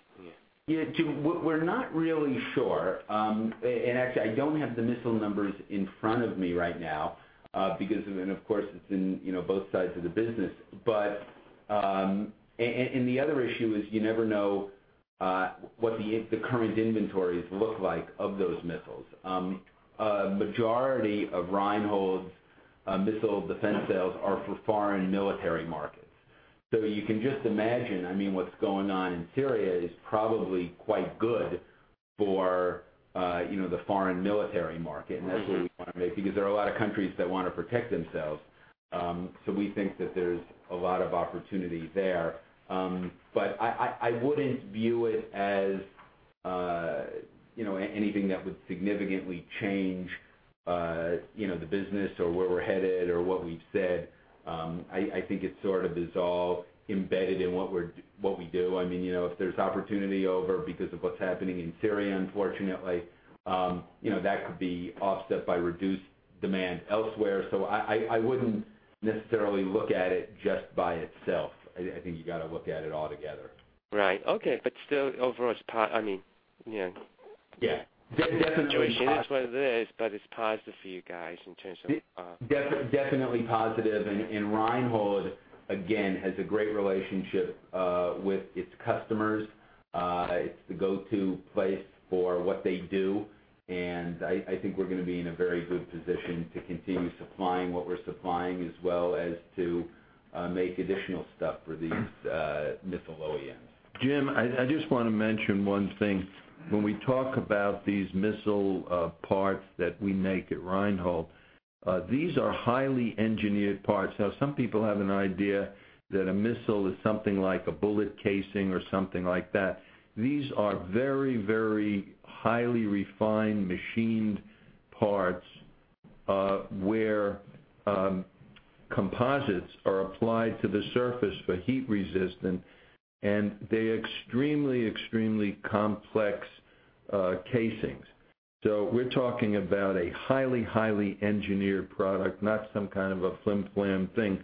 Yeah, Jim, we're not really sure. Actually, I don't have the missile numbers in front of me right now, because, of course, it's in both sides of the business. The other issue is you never know what the current inventories look like of those missiles. A majority of Reinhold's missile defense sales are for foreign military markets. You can just imagine, what's going on in Syria is probably quite good for the foreign military market. That's where we want to make because there are a lot of countries that want to protect themselves. We think that there's a lot of opportunity there. I wouldn't view it as anything that would significantly change the business or where we're headed or what we've said. I think it sort of is all embedded in what we do. If there's opportunity over because of what's happening in Syria, unfortunately, that could be offset by reduced demand elsewhere. I wouldn't necessarily look at it just by itself. I think you got to look at it all together. Right. Okay. Still overall, I mean, yeah. Yeah. Definitely positive. It's one of those, but it's positive for you guys in terms of. Definitely positive. Reinhold, again, has a great relationship with its customers. It's the go-to place for what they do, and I think we're going to be in a very good position to continue supplying what we're supplying as well as to make additional stuff for these missile OEMs. Jim, I just want to mention one thing. When we talk about these missile parts that we make at Reinhold Industries, these are highly engineered parts. Now, some people have an idea that a missile is something like a bullet casing or something like that. These are very, very highly refined, machined parts where composites are applied to the surface for heat resistance, and they are extremely complex casings. We're talking about a highly engineered product, not some kind of a flimflam thing,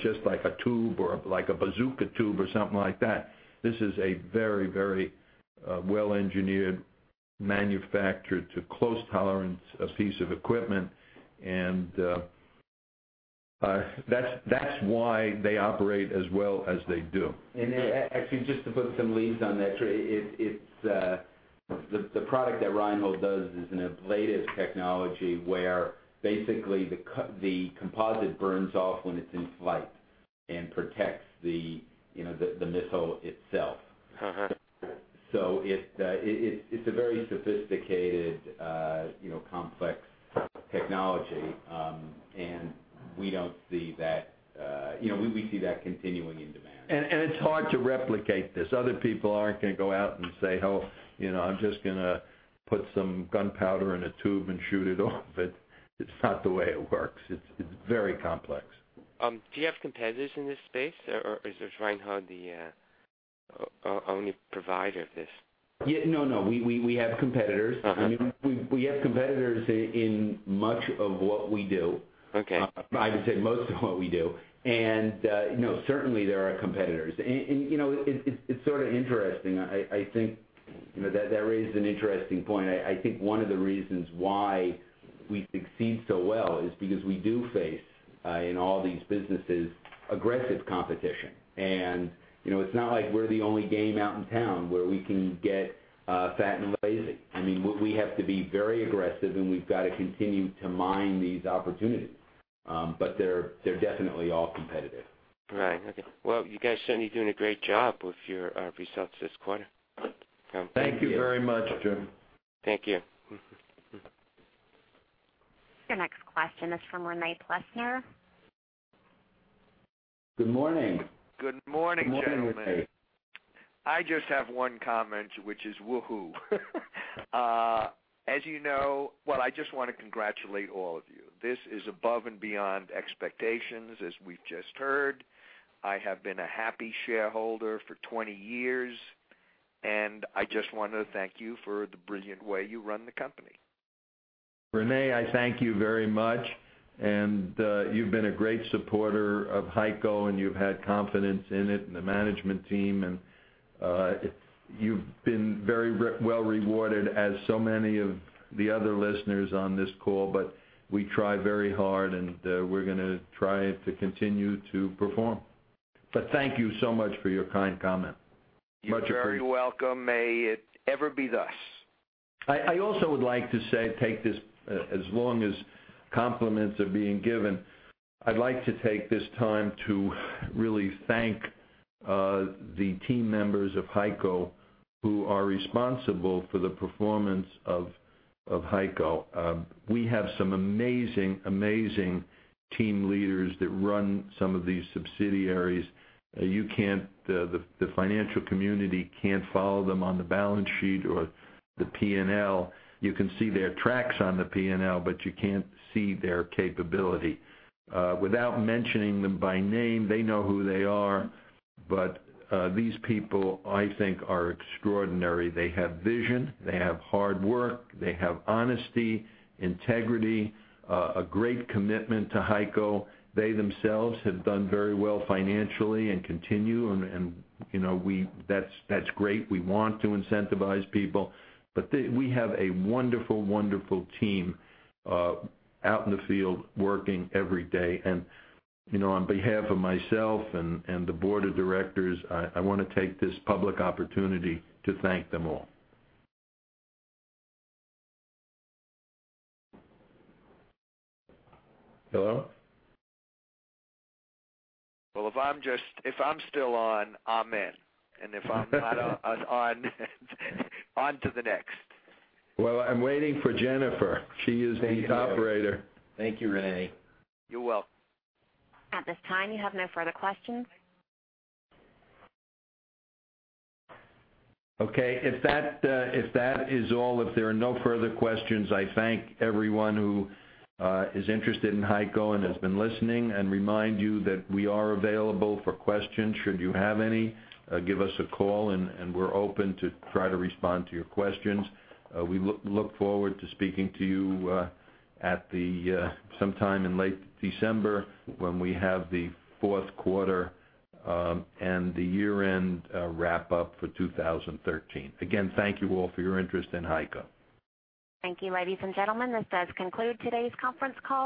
just like a tube or like a bazooka tube or something like that. This is a very, very well-engineered, manufactured to close tolerance, piece of equipment. That's why they operate as well as they do. Actually, just to put some meat on that, the product that Reinhold Industries does is an ablative technology where basically the composite burns off when it's in flight and protects the missile itself. It's a very sophisticated, complex technology, and we see that continuing in demand. It's hard to replicate this. Other people aren't going to go out and say, "Oh, I'm just going to put some gunpowder in a tube and shoot it off." It's not the way it works. It's very complex. Do you have competitors in this space, or is Reinhold the only provider of this? No, we have competitors. We have competitors in much of what we do. Okay. I would say most of what we do. Certainly, there are competitors. It's sort of interesting. I think that raises an interesting point. I think one of the reasons why we succeed so well is because we do face, in all these businesses, aggressive competition. It's not like we're the only game out in town where we can get fat and lazy. We have to be very aggressive, and we've got to continue to mine these opportunities. They're definitely all competitive. Right. Okay. Well, you guys certainly doing a great job with your results this quarter. Thank you. Thank you very much, Jim. Thank you. Your next question is from Rene Plessner. Good morning. Good morning, gentlemen. Good morning, Rene. I just have one comment, which is woohoo. Well, I just want to congratulate all of you. This is above and beyond expectations, as we've just heard. I have been a happy shareholder for 20 years, and I just want to thank you for the brilliant way you run the company. Rene, I thank you very much. You've been a great supporter of HEICO, and you've had confidence in it and the management team. You've been very well rewarded as so many of the other listeners on this call, but we try very hard, and we're going to try to continue to perform. Thank you so much for your kind comment. Much appreciated. You're very welcome. May it ever be thus. I also would like to say, as long as compliments are being given, I'd like to take this time to really thank the team members of HEICO who are responsible for the performance of HEICO. We have some amazing team leaders that run some of these subsidiaries. The financial community can't follow them on the balance sheet or the P&L. You can see their tracks on the P&L, but you can't see their capability. Without mentioning them by name, they know who they are, but these people, I think, are extraordinary. They have vision. They have hard work. They have honesty, integrity, a great commitment to HEICO. They themselves have done very well financially and continue, and that's great. We want to incentivize people. We have a wonderful team out in the field working every day. On behalf of myself and the board of directors, I want to take this public opportunity to thank them all. Hello? Well, if I'm still on, amen. If I'm not on to the next. Well, I'm waiting for Jennifer. She is the operator. Thank you, Rene. You're welcome. At this time, you have no further questions? Okay, if that is all, if there are no further questions, I thank everyone who is interested in HEICO and has been listening and remind you that we are available for questions should you have any. Give us a call, and we're open to try to respond to your questions. We look forward to speaking to you sometime in late December when we have the fourth quarter and the year-end wrap-up for 2013. Again, thank you all for your interest in HEICO. Thank you, ladies and gentlemen. This does conclude today's conference call.